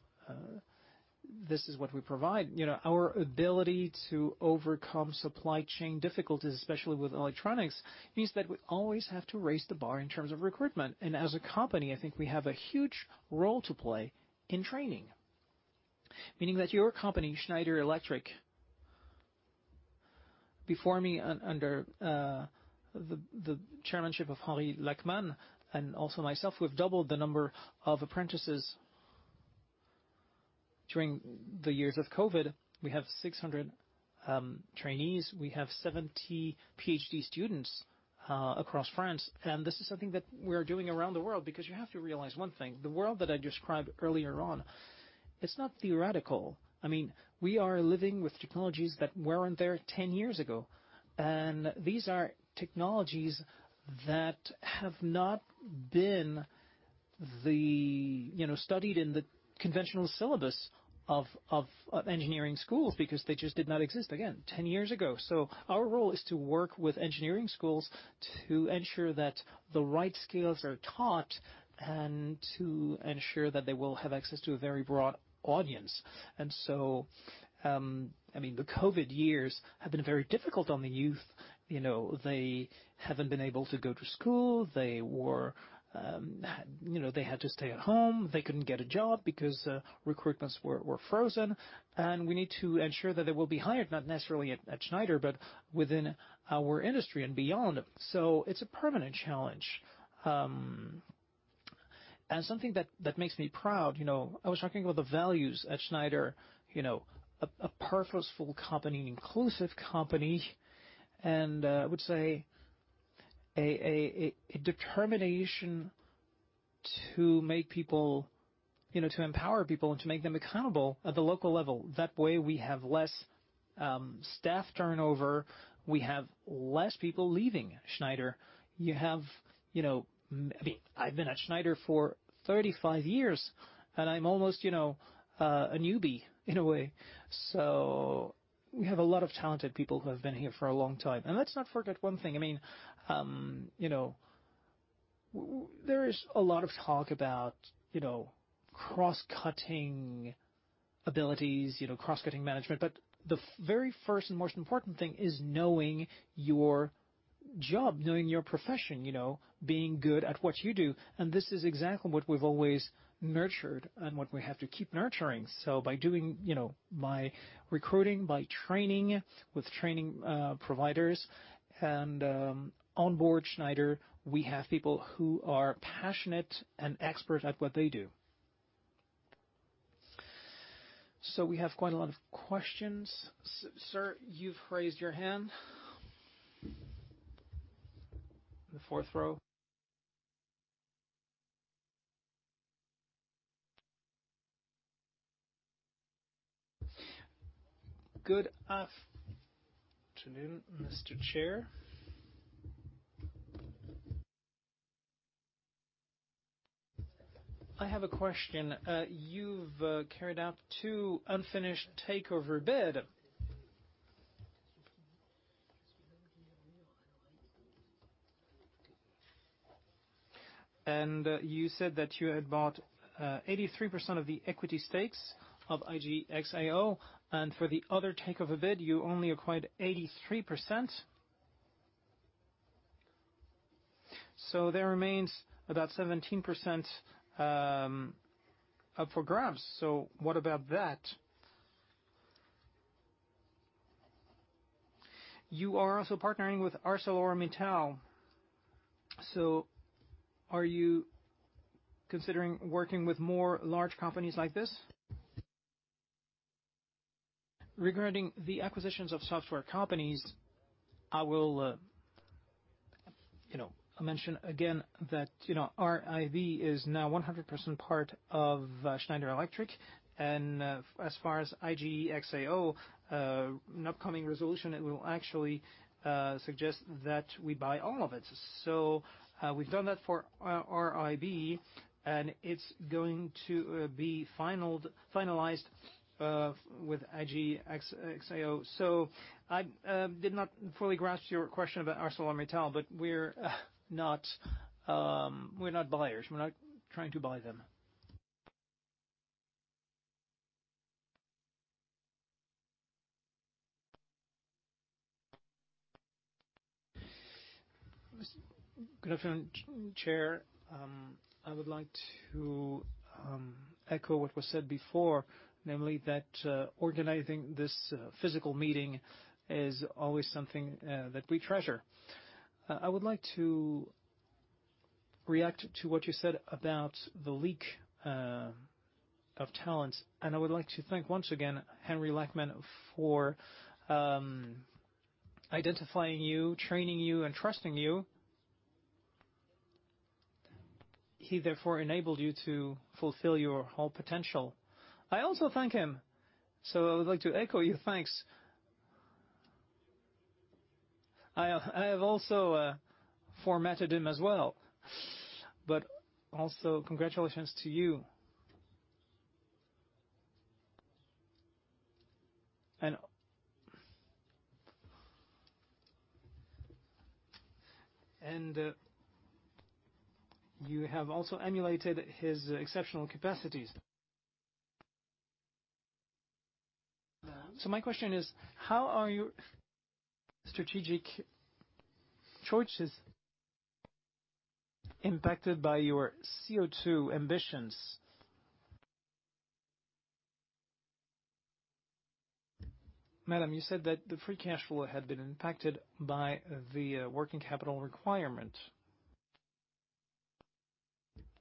this is what we provide. You know, our ability to overcome supply chain difficulties, especially with electronics, means that we always have to raise the bar in terms of recruitment. As a company, I think we have a huge role to play in training. Meaning that your company, Schneider Electric, under the chairmanship of Henri Lachmann and also myself, we've doubled the number of apprentices during the years of COVID. We have 600 trainees. We have 70 PhD students across France. This is something that we're doing around the world because you have to realize one thing, the world that I described earlier on, it's not theoretical. I mean, we are living with technologies that weren't there 10 years ago, and these are technologies that have not been, you know, studied in the conventional syllabus of engineering schools because they just did not exist, again, 10 years ago. Our role is to work with engineering schools to ensure that the right skills are taught and to ensure that they will have access to a very broad audience. I mean, the COVID years have been very difficult on the youth. You know, they haven't been able to go to school. They were, you know, they had to stay at home. They couldn't get a job because recruitments were frozen. We need to ensure that they will be hired, not necessarily at Schneider, but within our industry and beyond. It's a permanent challenge. Something that makes me proud, you know, I was talking about the values at Schneider, you know, a purposeful company, an inclusive company, and I would say a determination to make people, you know, to empower people and to make them accountable at the local level. That way we have less staff turnover. We have less people leaving Schneider. You have, you know. I mean, I've been at Schneider for 35 years, and I'm almost, you know, a newbie in a way. We have a lot of talented people who have been here for a long time. Let's not forget one thing. I mean, you know, there is a lot of talk about, you know, cross-cutting abilities, you know, cross-cutting management. But the very first and most important thing is knowing your job, knowing your profession, you know, being good at what you do. This is exactly what we've always nurtured and what we have to keep nurturing. By doing, you know, by recruiting, by training with training providers and, on board Schneider, we have people who are passionate and expert at what they do. We have quite a lot of questions. Sir, you've raised your hand. The fourth row. Good afternoon, Mr. Chair. I have a question. You've carried out two unfinished takeover bids. You said that you had bought 83% of the equity stakes of IGE+XAO, and for the other takeover bid you only acquired 83%. There remains about 17% up for grabs. What about that? You are also partnering with ArcelorMittal. Are you considering working with more large companies like this? Regarding the acquisitions of software companies, I will, you know, mention again that, you know, RIB is now 100% part of Schneider Electric. As far as IGE+XAO, an upcoming resolution. It will actually suggest that we buy all of it. We've done that for RIB, and it's going to be finalized with IGE+XAO. I did not fully grasp your question about ArcelorMittal, but we're not buyers. We're not trying to buy them. Good afternoon, Chair. I would like to echo what was said before, namely that organizing this physical meeting is always something that we treasure. I would like to react to what you said about the leak of talents. I would like to thank once again, Henri Lachmann for identifying you, training you, and trusting you. He therefore enabled you to fulfill your whole potential. I also thank him, so I would like to echo your thanks. I have also formed him as well, but also congratulations to you. You have also emulated his exceptional capacities. My question is, how are your strategic choices impacted by your CO₂ ambitions? Madam, you said that the free cash flow had been impacted by the working capital requirement.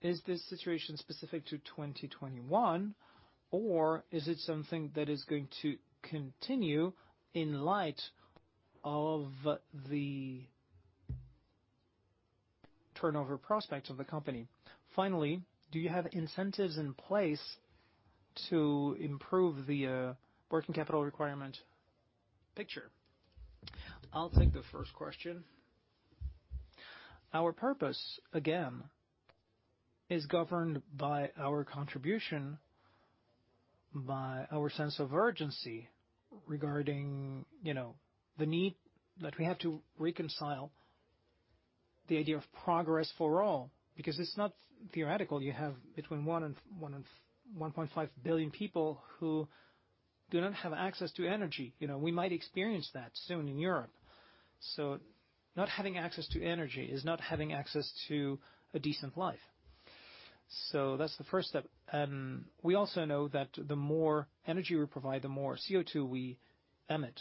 Is this situation specific to 2021, or is it something that is going to continue in light of the turnover prospects of the company? Finally, do you have incentives in place to improve the working capital requirement picture? I'll take the first question. Our purpose, again, is governed by our contribution, by our sense of urgency regarding, you know, the need that we have to reconcile the idea of progress for all, because it's not theoretical. You have between 1 billion and 1.5 billion people who do not have access to energy. You know, we might experience that soon in Europe. Not having access to energy is not having access to a decent life. That's the first step. We also know that the more energy we provide, the more CO₂ we emit,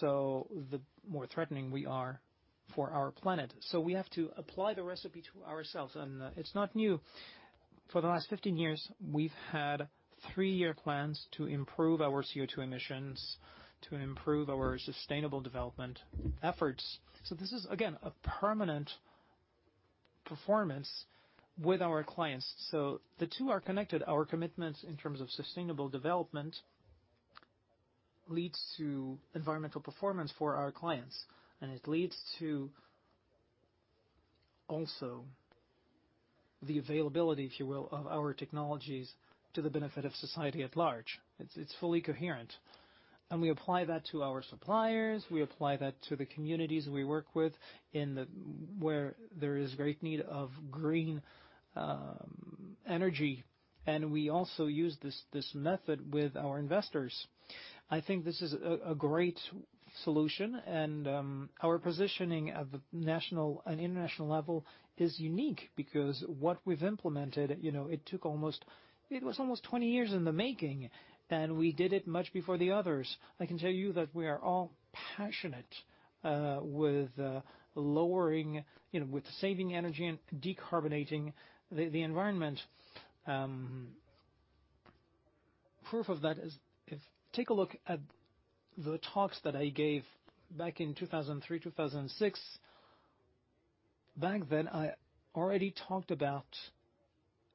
so the more threatening we are for our planet. We have to apply the recipe to ourselves, and it's not new. For the last 15 years, we've had three-year plans to improve our CO₂ emissions, to improve our sustainable development efforts. This is, again, a permanent performance with our clients. The two are connected. Our commitments in terms of sustainable development leads to environmental performance for our clients, and it leads to also the availability, if you will, of our technologies to the benefit of society at large. It's fully coherent. We apply that to our suppliers, we apply that to the communities we work with where there is great need of green energy. We also use this method with our investors. I think this is a great solution and our positioning at the national and international level is unique because what we've implemented, you know, it took almost 20 years in the making, and we did it much before the others. I can tell you that we are all passionate with saving energy and decarbonating the environment. Proof of that is, take a look at the talks that I gave back in 2003, 2006. Back then, I already talked about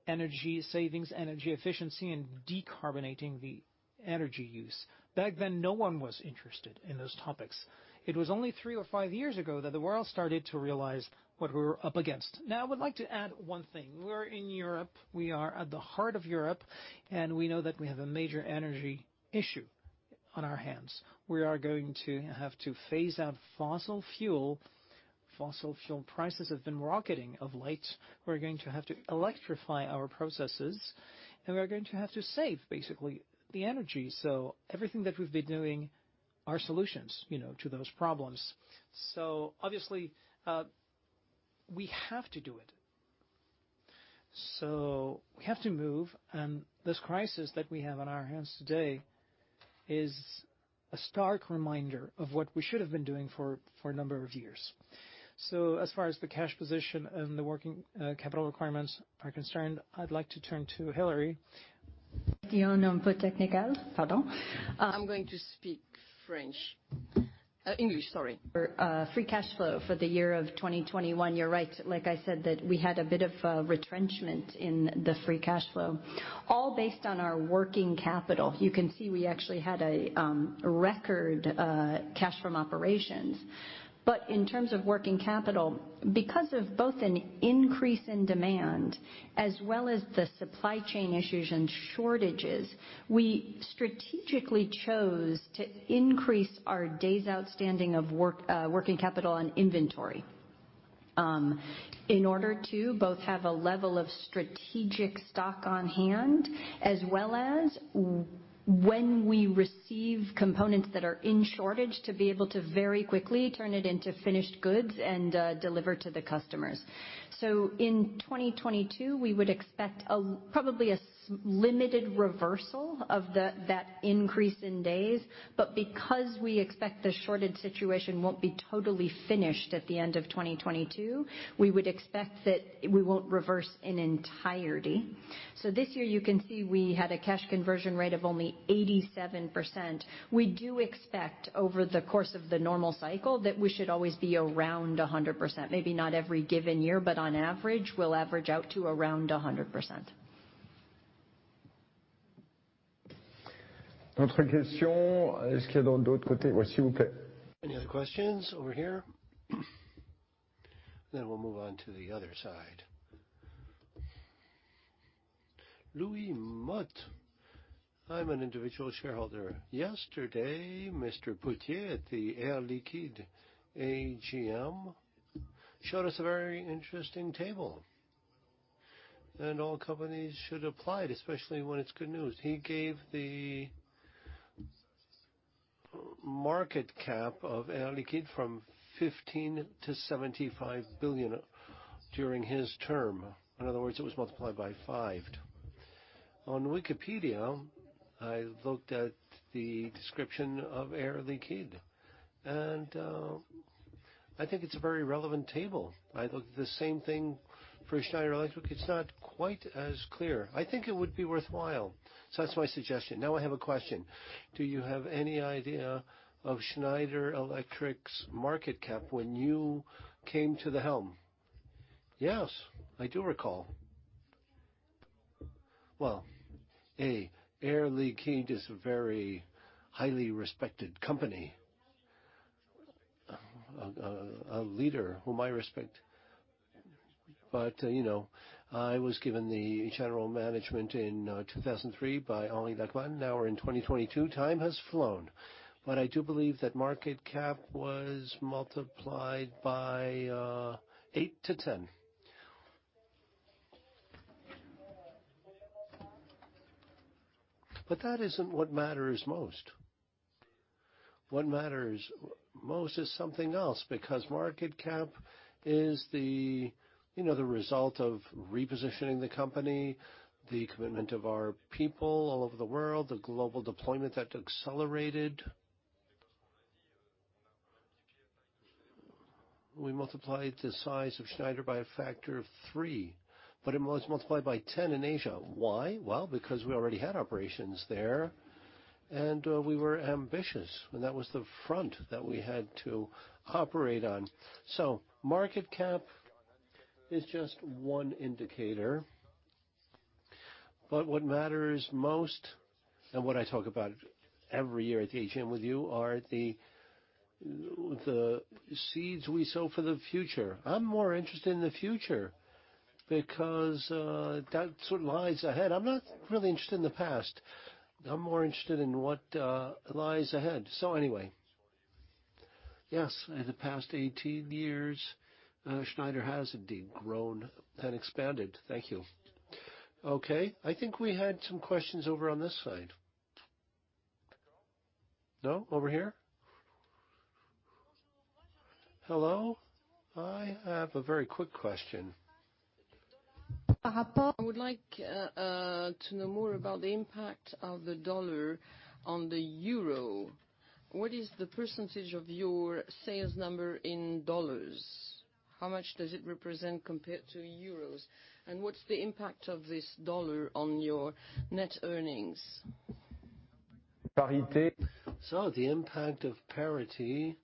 energy savings, energy efficiency, and decarbonating the energy use. Back then, no one was interested in those topics. It was only three or five years ago that the world started to realize what we were up against. Now, I would like to add one thing. We're in Europe, we are at the heart of Europe, and we know that we have a major energy issue on our hands. We are going to have to phase out fossil fuel. Fossil fuel prices have been rocketing of late. We're going to have to electrify our processes, and we are going to have to save basically the energy. Everything that we've been doing are solutions, you know, to those problems. Obviously, we have to do it. We have to move, and this crisis that we have on our hands today is a stark reminder of what we should have been doing for a number of years. As far as the cash position and the working capital requirements are concerned, I'd like to turn to Hilary Maxson. I'm going to speak English, sorry. Free cash flow for the year of 2021. You're right. Like I said that we had a bit of a retrenchment in the free cash flow, all based on our working capital. You can see we actually had a record cash from operations. In terms of working capital, because of both an increase in demand as well as the supply chain issues and shortages, we strategically chose to increase our days outstanding of working capital and inventory, in order to both have a level of strategic stock on hand, as well as when we receive components that are in shortage, to be able to very quickly turn it into finished goods and deliver to the customers. In 2022, we would expect a probably limited reversal of that increase in days. Because we expect the shortage situation won't be totally finished at the end of 2022, we would expect that we won't reverse in entirety. This year, you can see we had a cash conversion rate of only 87%. We do expect over the course of the normal cycle that we should always be around 100%. Maybe not every given year, but on average, we'll average out to around 100%. Autre question, est-ce qu'il y a de l'autre côté? Oui, s'il vous plaît. Any other questions over here? We'll move on to the other side. Louis Motte. I'm an individual shareholder. Yesterday, Mr. Potier at the Air Liquide AGM showed us a very interesting table, and all companies should apply it, especially when it's good news. He gave the market cap of Air Liquide from 15 billion to 75 billion during his term. In other words, it was multiplied by five. On Wikipedia, I looked at the description of Air Liquide, and I think it's a very relevant table. I looked at the same thing for Schneider Electric. It's not quite as clear. I think it would be worthwhile. That's my suggestion. Now I have a question. Do you have any idea of Schneider Electric's market cap when you came to the helm? Yes, I do recall. Well, Air Liquide is a very highly respected company, a leader whom I respect. You know, I was given the general management in 2003 by Henri Lachmann. Now we're in 2022. Time has flown. I do believe that market cap was multiplied by eight to 10. That isn't what matters most. What matters most is something else, because market cap is the, you know, the result of repositioning the company, the commitment of our people all over the world, the global deployment that accelerated. We multiplied the size of Schneider by a factor of three, but it was multiplied by 10 in Asia. Why? Well, because we already had operations there, and we were ambitious, and that was the front that we had to operate on. Market cap is just one indicator. What matters most, and what I talk about every year at the AGM with you, are the seeds we sow for the future. I'm more interested in the future because that's what lies ahead. I'm not really interested in the past. I'm more interested in what lies ahead. Anyway. Yes, in the past 18 years, Schneider has indeed grown and expanded. Thank you. Okay. I think we had some questions over on this side. No? Over here. Hello. I have a very quick question. I would like to know more about the impact of the dollar on the euro. What is the percentage of your sales number in dollars? How much does it represent compared to euros? And what's the impact of this dollar on your net earnings? The impact of parity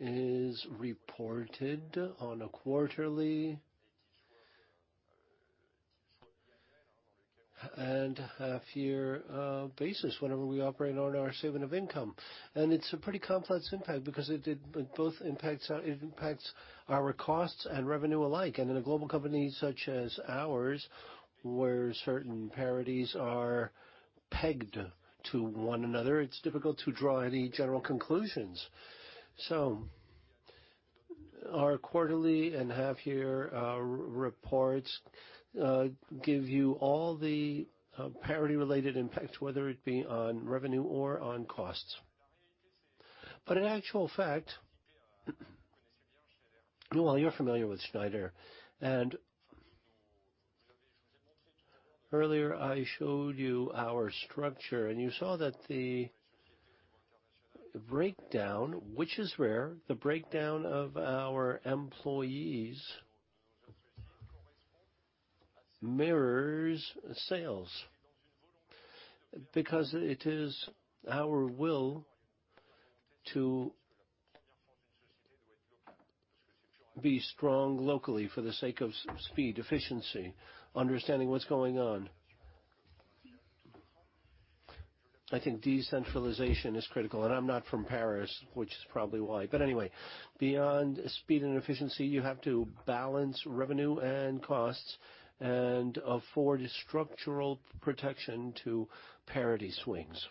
is reported on a quarterly and half-year basis whenever we report on our statement of income. It's a pretty complex impact because it both impacts our costs and revenue alike. In a global company such as ours, where certain parities are pegged to one another, it's difficult to draw any general conclusions. Our quarterly and half-year reports give you all the parity-related impacts, whether it be on revenue or on costs. In actual fact, well, you're familiar with Schneider. Earlier, I showed you our structure, and you saw that the breakdown, which is rare, of our employees mirrors sales. It is our will to be strong locally for the sake of speed, efficiency, understanding what's going on. I think decentralization is critical, and I'm not from Paris, which is probably why. Anyway, beyond speed and efficiency, you have to balance revenue and costs and afford structural protection to parity swings.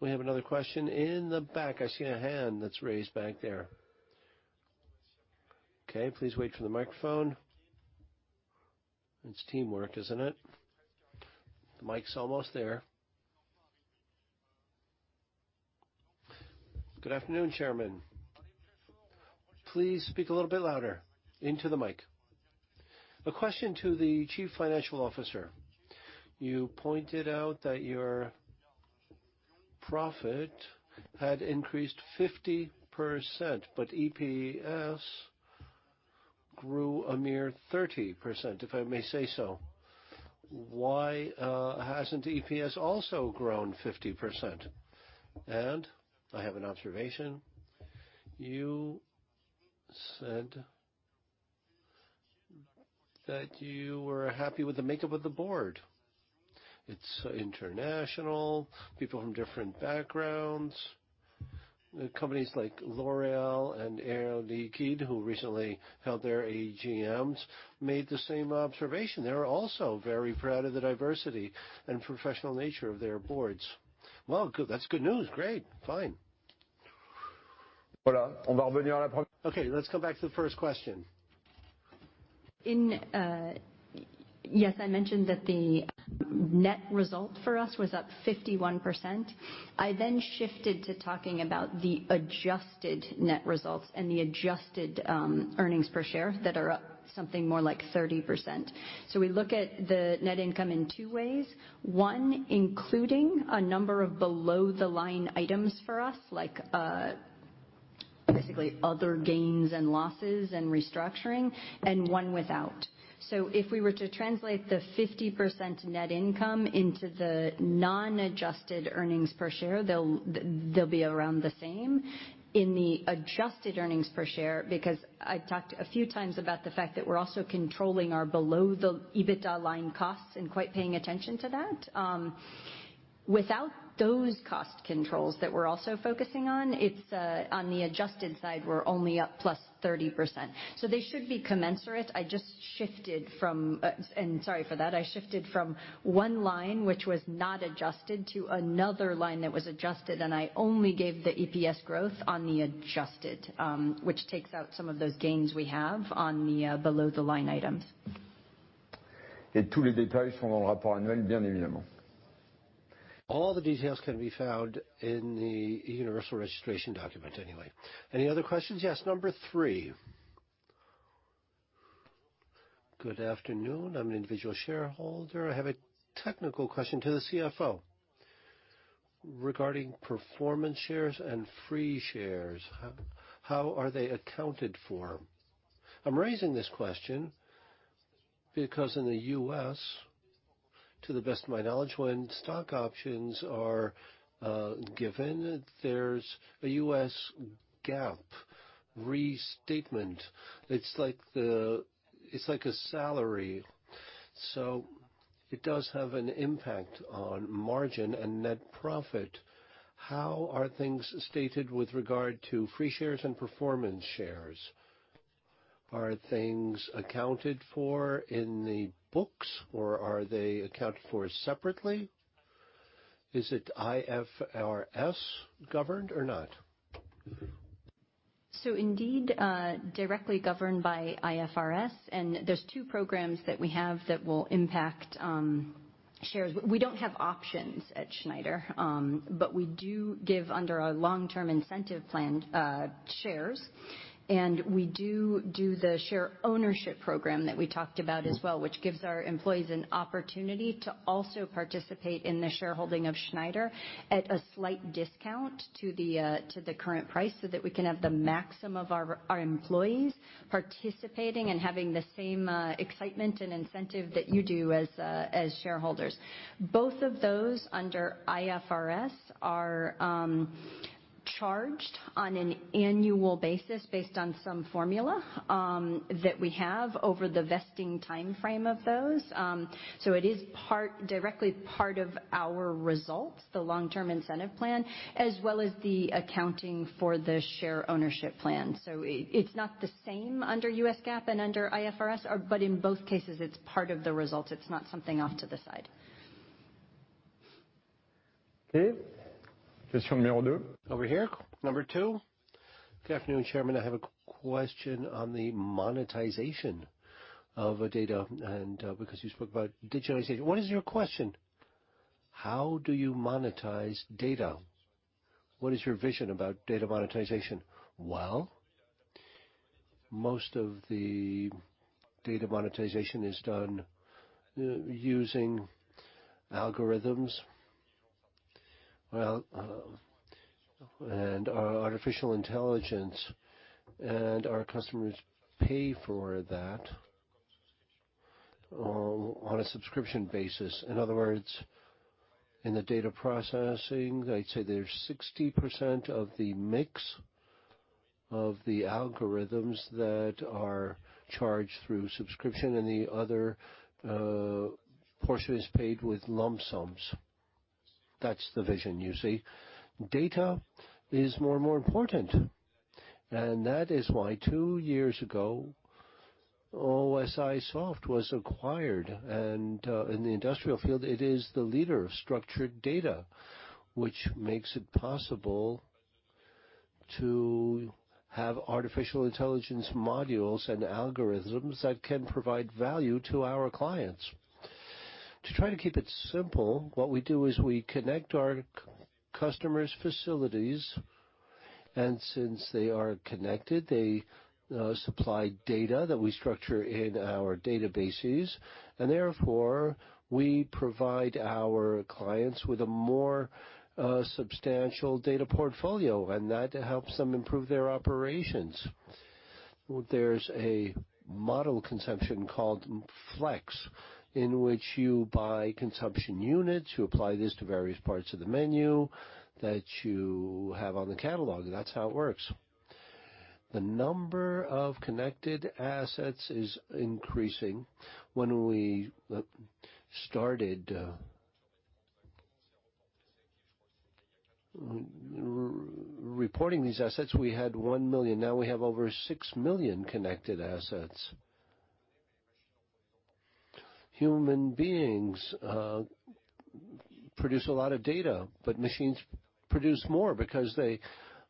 We have another question in the back. I see a hand that's raised back there. Okay, please wait for the microphone. It's teamwork, isn't it? The mic's almost there. Good afternoon, Chairman. Please speak a little bit louder into the mic. A question to the Chief Financial Officer. You pointed out that your profit had increased 50%, but EPS grew a mere 30%, if I may say so. Why hasn't EPS also grown 50%? I have an observation. You said that you were happy with the makeup of the board. It's international, people from different backgrounds. Companies like L'Oréal and Air Liquide, who recently held their AGMs, made the same observation. They are also very proud of the diversity and professional nature of their boards. Well, good. That's good news. Great. Fine. Okay, let's go back to the first question. Yes, I mentioned that the net result for us was up 51%. I then shifted to talking about the adjusted net results and the adjusted earnings per share that are up something more like 30%. We look at the net income in two ways. One, including a number of below the line items for us, like basically other gains and losses and restructuring, and one without. If we were to translate the 50% net income into the non-adjusted earnings per share, they'll be around the same. In the adjusted earnings per share, because I talked a few times about the fact that we're also controlling our below the EBITDA line costs and quite paying attention to that. Without those cost controls that we're also focusing on, it's on the adjusted side, we're only up +30%, so they should be commensurate. Sorry for that. I shifted from one line which was not adjusted to another line that was adjusted, and I only gave the EPS growth on the adjusted, which takes out some of those gains we have on the below the line items. All the details can be found in the universal registration document anyway. Any other questions? Yes. Number three. Good afternoon. I'm an individual shareholder. I have a technical question to the CFO regarding performance shares and free shares. How are they accounted for? I'm raising this question because in the U.S., to the best of my knowledge, when stock options are given, there's a U.S. GAAP restatement. It's like a salary, so it does have an impact on margin and net profit. How are things stated with regard to free shares and performance shares? Are things accounted for in the books or are they accounted for separately? Is it IFRS governed or not? Directly governed by IFRS. There's two programs that we have that will impact shares. We don't have options at Schneider, but we do give, under our long-term incentive plan, shares. We do the share ownership program that we talked about as well, which gives our employees an opportunity to also participate in the shareholding of Schneider at a slight discount to the current price, so that we can have the maximum of our employees participating and having the same excitement and incentive that you do as shareholders. Both of those under IFRS are charged on an annual basis based on some formula that we have over the vesting timeframe of those. It is directly part of our results, the long term incentive plan, as well as the accounting for the share ownership plan. It's not the same under U.S. GAAP and under IFRS, but in both cases it's part of the result. It's not something off to the side. Okay. Over here. Number two. Good afternoon, Chairman. I have a question on the monetization of data and, because you spoke about digitization. What is your question? How do you monetize data? What is your vision about data monetization? Well, most of the data monetization is done using algorithms. Well, and our artificial intelligence and our customers pay for that on a subscription basis. In other words, in the data processing, I'd say there's 60% of the mix of the algorithms that are charged through subscription, and the other portion is paid with lump sums. That's the vision you see. Data is more and more important, and that is why two years ago, OSIsoft was acquired. In the industrial field, it is the leader of structured data, which makes it possible to have artificial intelligence modules and algorithms that can provide value to our clients. To try to keep it simple, what we do is we connect our customers' facilities, and since they are connected, they supply data that we structure in our databases, and therefore, we provide our clients with a more substantial data portfolio, and that helps them improve their operations. There's a model consumption called Flex, in which you buy consumption units. You apply this to various parts of the menu that you have on the catalog. That's how it works. The number of connected assets is increasing. When we started reporting these assets, we had 1 million. Now we have over 6 million connected assets. Human beings produce a lot of data, but machines produce more because they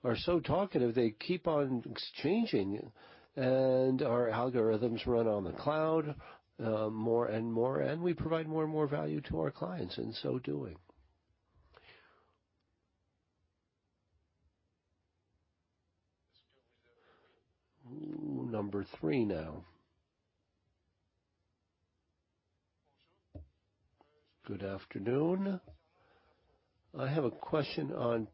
are so talkative. They keep on exchanging, and our algorithms run on the cloud more and more, and we provide more and more value to our clients, and so doing. Number three now. Good afternoon. I have a question on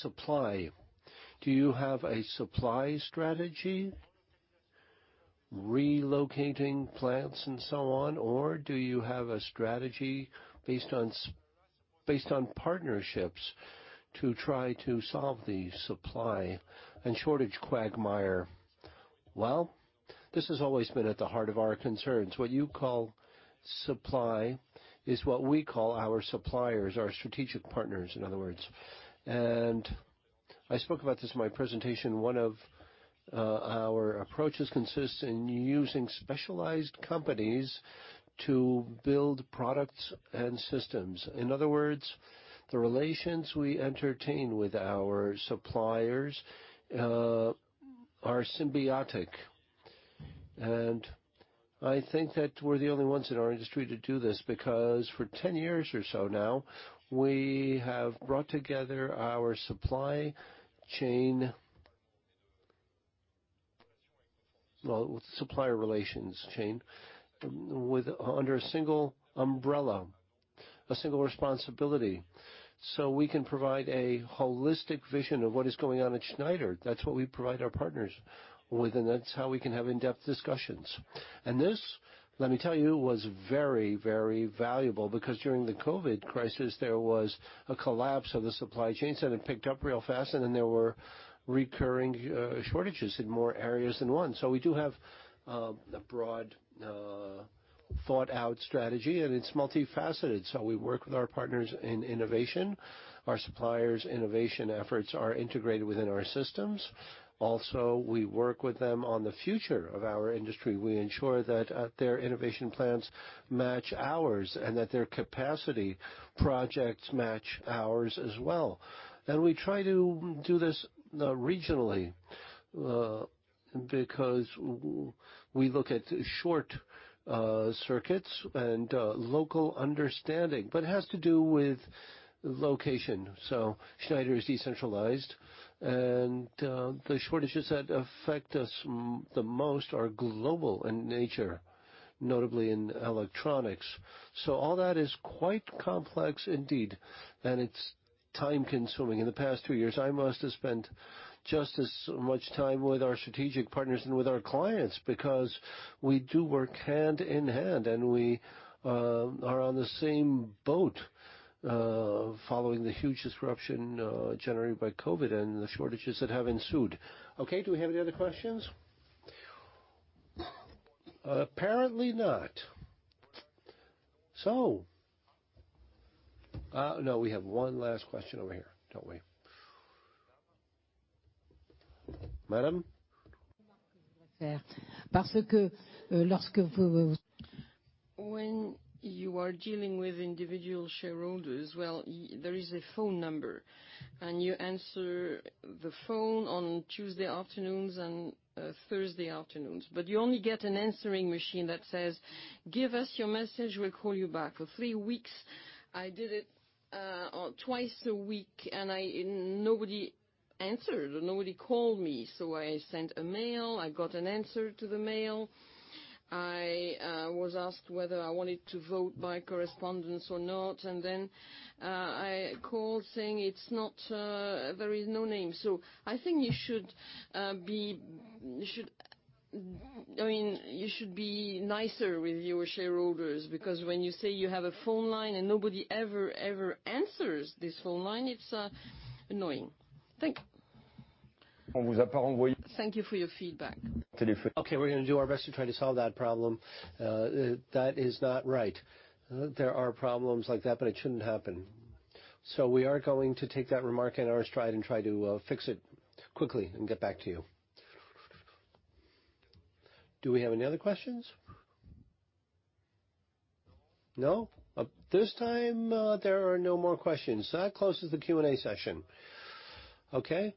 supply. Do you have a supply strategy, relocating plants and so on? Or do you have a strategy based on partnerships to try to solve the supply and shortage quagmire? Well, this has always been at the heart of our concerns. What you call supply is what we call our suppliers, our strategic partners, in other words. I spoke about this in my presentation. One of our approaches consists in using specialized companies to build products and systems. In other words, the relations we entertain with our suppliers are symbiotic. I think that we're the only ones in our industry to do this, because for ten years or so now, we have brought together our supply chain under a single umbrella, a single responsibility, so we can provide a holistic vision of what is going on at Schneider. That's what we provide our partners with, and that's how we can have in-depth discussions. This, let me tell you, was very, very valuable because during the COVID crisis, there was a collapse of the supply chains, and it picked up real fast. Then there were recurring shortages in more areas than one. We do have a broad, thought-out strategy, and it's multifaceted. We work with our partners in innovation. Our suppliers' innovation efforts are integrated within our systems. Also, we work with them on the future of our industry. We ensure that their innovation plans match ours and that their capacity projects match ours as well. We try to do this regionally because we look at short circuits and local understanding, but it has to do with location. Schneider is decentralized, and the shortages that affect us the most are global in nature, notably in electronics. All that is quite complex indeed, and it's time-consuming. In the past two years, I must have spent just as much time with our strategic partners and with our clients because we do work hand in hand, and we are on the same boat following the huge disruption generated by COVID and the shortages that have ensued. Okay, do we have any other questions? Apparently not. No, we have one last question over here, don't we? Madam. When you are dealing with individual shareholders, there is a phone number, and you answer the phone on Tuesday afternoons and Thursday afternoons. You only get an answering machine that says, "Give us your message, we'll call you back." For three weeks, I did it twice a week, and nobody answered, or nobody called me. I sent a mail. I was asked whether I wanted to vote by correspondence or not. I called saying it's not. There is no name. I think you should be nicer with your shareholders, I mean, because when you say you have a phone line and nobody ever answers this phone line, it's annoying. Thank you. Thank you for your feedback. Okay, we're gonna do our best to try to solve that problem. That is not right. There are problems like that, but it shouldn't happen. We are going to take that remark in our stride and try to fix it quickly and get back to you. Do we have any other questions? No? At this time, there are no more questions. That closes the Q&A session. Okay.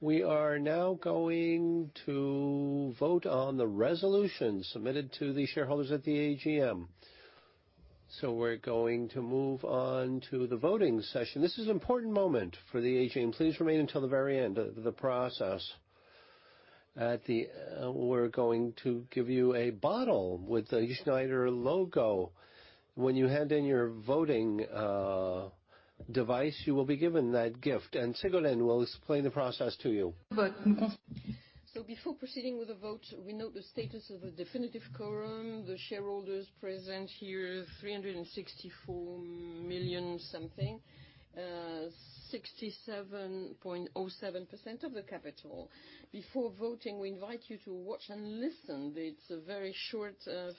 We are now going to vote on the resolution submitted to the shareholders at the AGM. We're going to move on to the voting session. This is an important moment for the AGM. Please remain until the very end of the process. We're going to give you a bottle with the Schneider logo when you hand in your voting device. You will be given that gift, and Ségolène will explain the process to you. Before proceeding with the vote, we note the status of a definitive quorum. The shareholders present here, 364 million something, 67.07% of the capital. Before voting, we invite you to watch and listen. It's a very short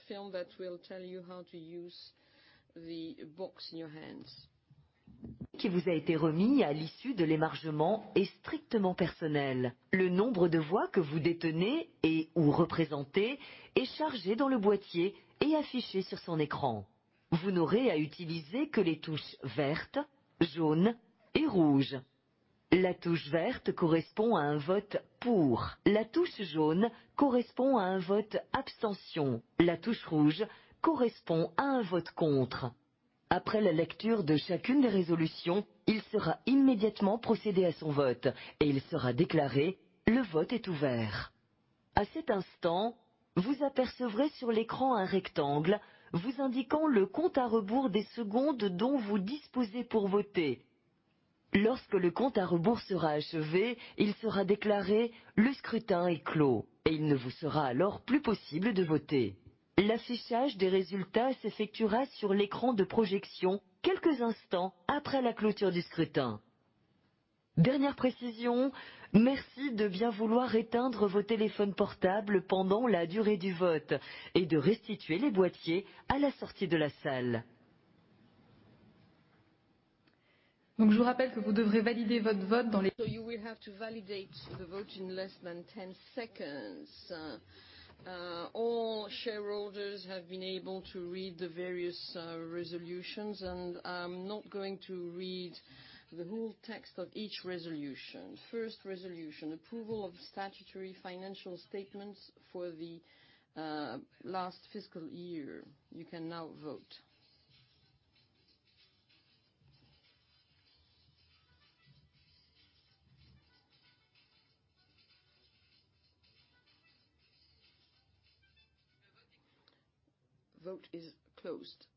film that will tell you how to use the box in your hands. You will have to validate the vote in less than 10 seconds. All shareholders have been able to read the various resolutions, and I'm not going to read the whole text of each resolution. First resolution: approval of statutory financial statements for the last fiscal year. You can now vote. Vote is closed.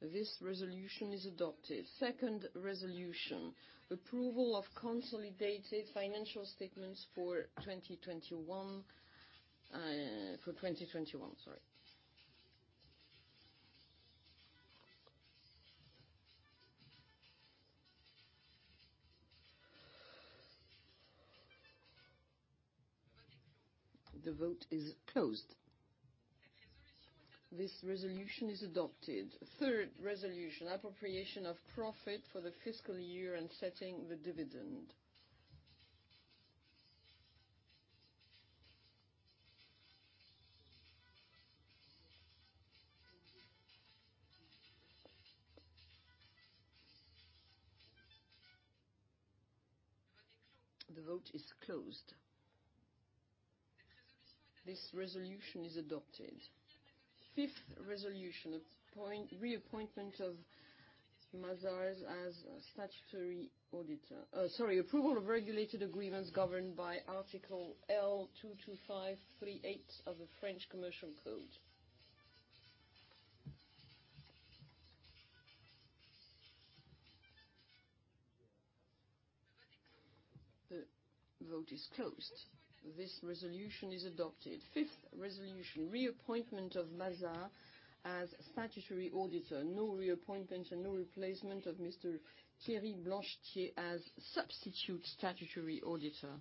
This resolution is adopted. Second resolution: approval of consolidated financial statements for 2021. The vote is closed. This resolution is adopted. Third resolution: appropriation of profit for the fiscal year and setting the dividend. The vote is closed. This resolution is adopted. Fourth resolution: reappointment of Mazars as statutory auditor– Sorry, approval of regulated agreements governed by Article L. 225-38 of the French Commercial Code. The vote is closed. This resolution is adopted. Fifth resolution: reappointment of Mazars as statutory auditor. No reappointment and no replacement of Mr. Thierry Blanchetier as substitute statutory auditor.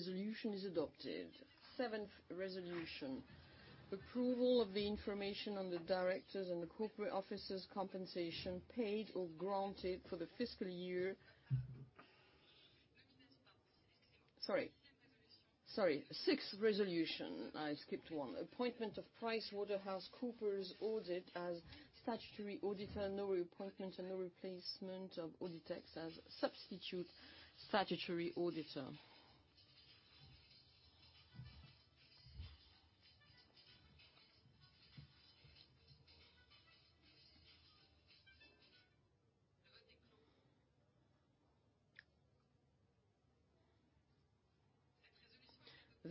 The resolution is adopted. Seventh resolution: approval of the information on the directors and the corporate officers' compensation paid or granted for the fiscal year. Sorry, sixth resolution. I skipped one. Appointment of PricewaterhouseCoopers Audit as statutory auditor. No reappointment and no replacement of Auditex as substitute statutory auditor.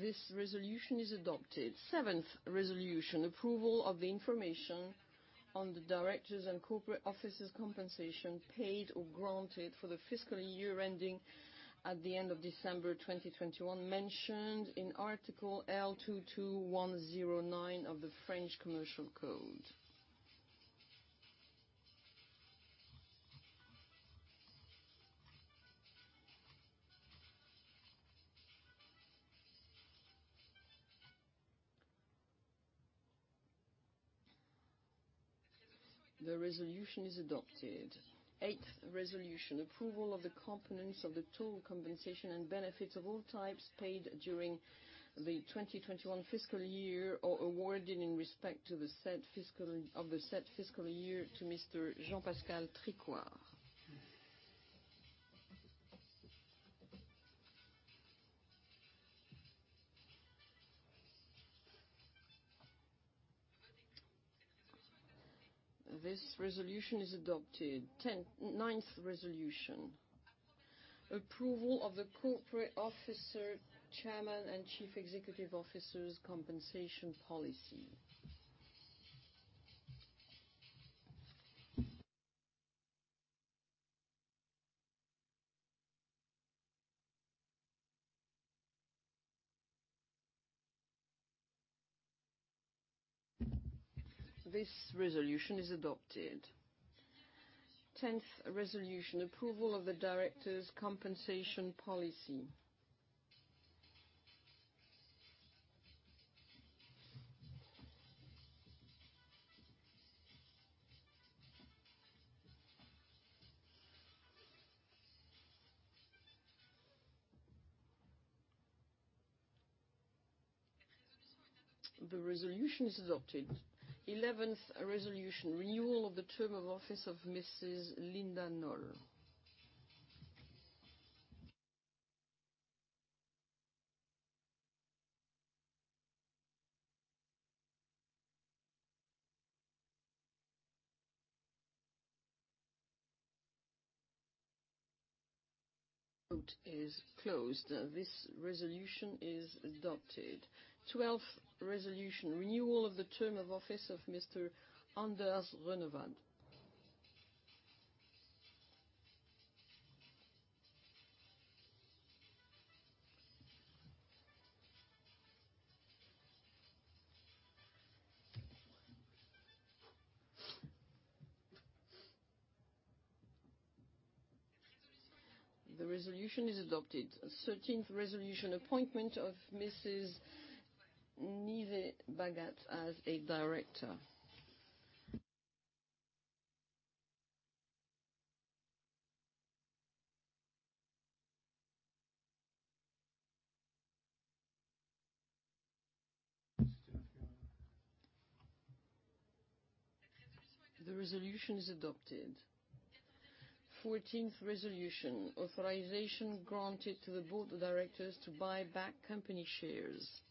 This resolution is adopted. Seventh resolution: approval of the information on the directors and corporate officers' compensation paid or granted for the fiscal year ending at the end of December 2021 mentioned in Article L, 22-10-9 of the French Commercial Code. The resolution is adopted. Eighth resolution: approval of the components of the total compensation and benefits of all types paid during the 2021 fiscal year or awarded in respect to the said fiscal year to Mr. Jean-Pascal Tricoire. This resolution is adopted. Ninth resolution: approval of the Corporate Officer (Chairman and Chief Executive Officer)'s compensation policy. This resolution is adopted. Tenth resolution: approval of the Directors' compensation policy. The resolution is adopted. 11th resolution: renewal of the term of office of Mrs. Linda Knoll. Vote is closed. This resolution is adopted. 12th resolution: renewal of the term of office of Mr. Anders Runevad. The resolution is adopted. 13th resolution: appointment of Mrs. Nive Bhagat as a director. The resolution is adopted. 14th resolution: authorization granted to the Board of Directors to buy back company shares.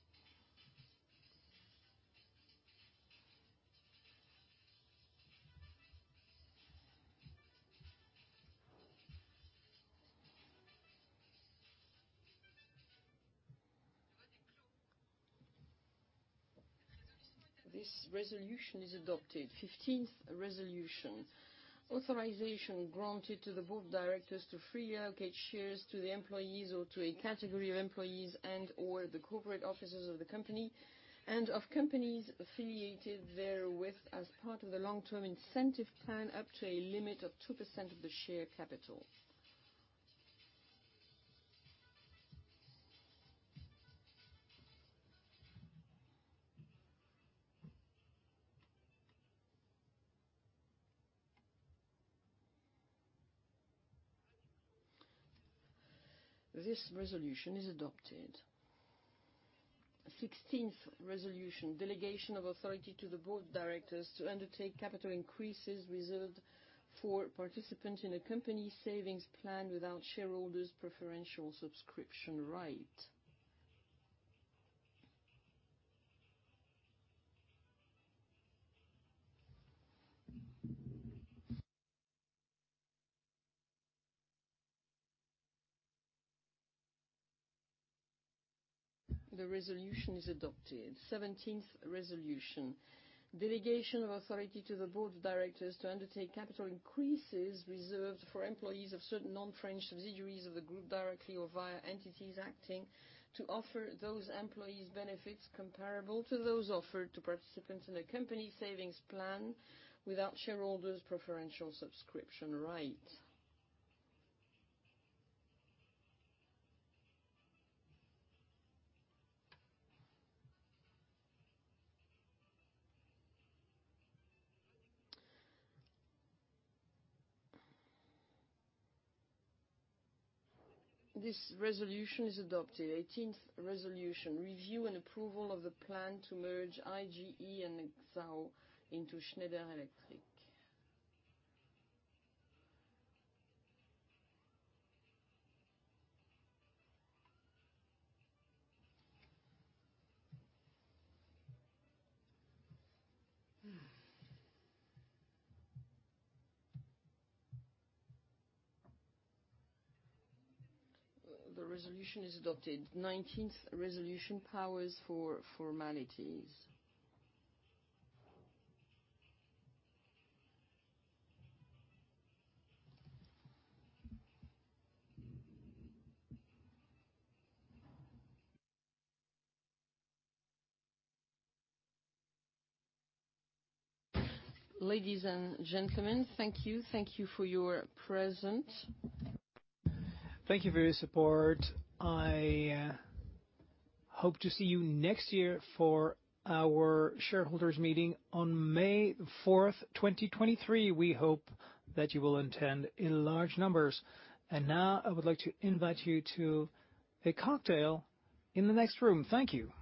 This resolution is adopted. 15th resolution: authorization granted to the Board of Directors to freely allocate shares to the employees or to a category of employees and/or the corporate officers of the company and of companies affiliated therewith as part of the long-term incentive plan up to a limit of 2% of the share capital. This resolution is adopted. 16th resolution: delegation of authority to the Board of Directors to undertake capital increases reserved for participants in a company savings plan without shareholders' preferential subscription right. The resolution is adopted. 17th resolution: delegation of authority to the Board of Directors to undertake capital increases reserved for employees of certain non-French subsidiaries of the group directly or via entities acting to offer those employees benefits comparable to those offered to participants in a company savings plan without shareholders' preferential subscription right. This resolution is adopted. 18th resolution: review and approval of the plan to merge IGE+XAO into Schneider Electric. The resolution is adopted. 19th resolution: powers for formalities. Ladies and gentlemen, thank you. Thank you for your presence. Thank you for your support. I hope to see you next year for our shareholders meeting on May 4, 2023. We hope that you will attend in large numbers. Now I would like to invite you to a cocktail in the next room. Thank you.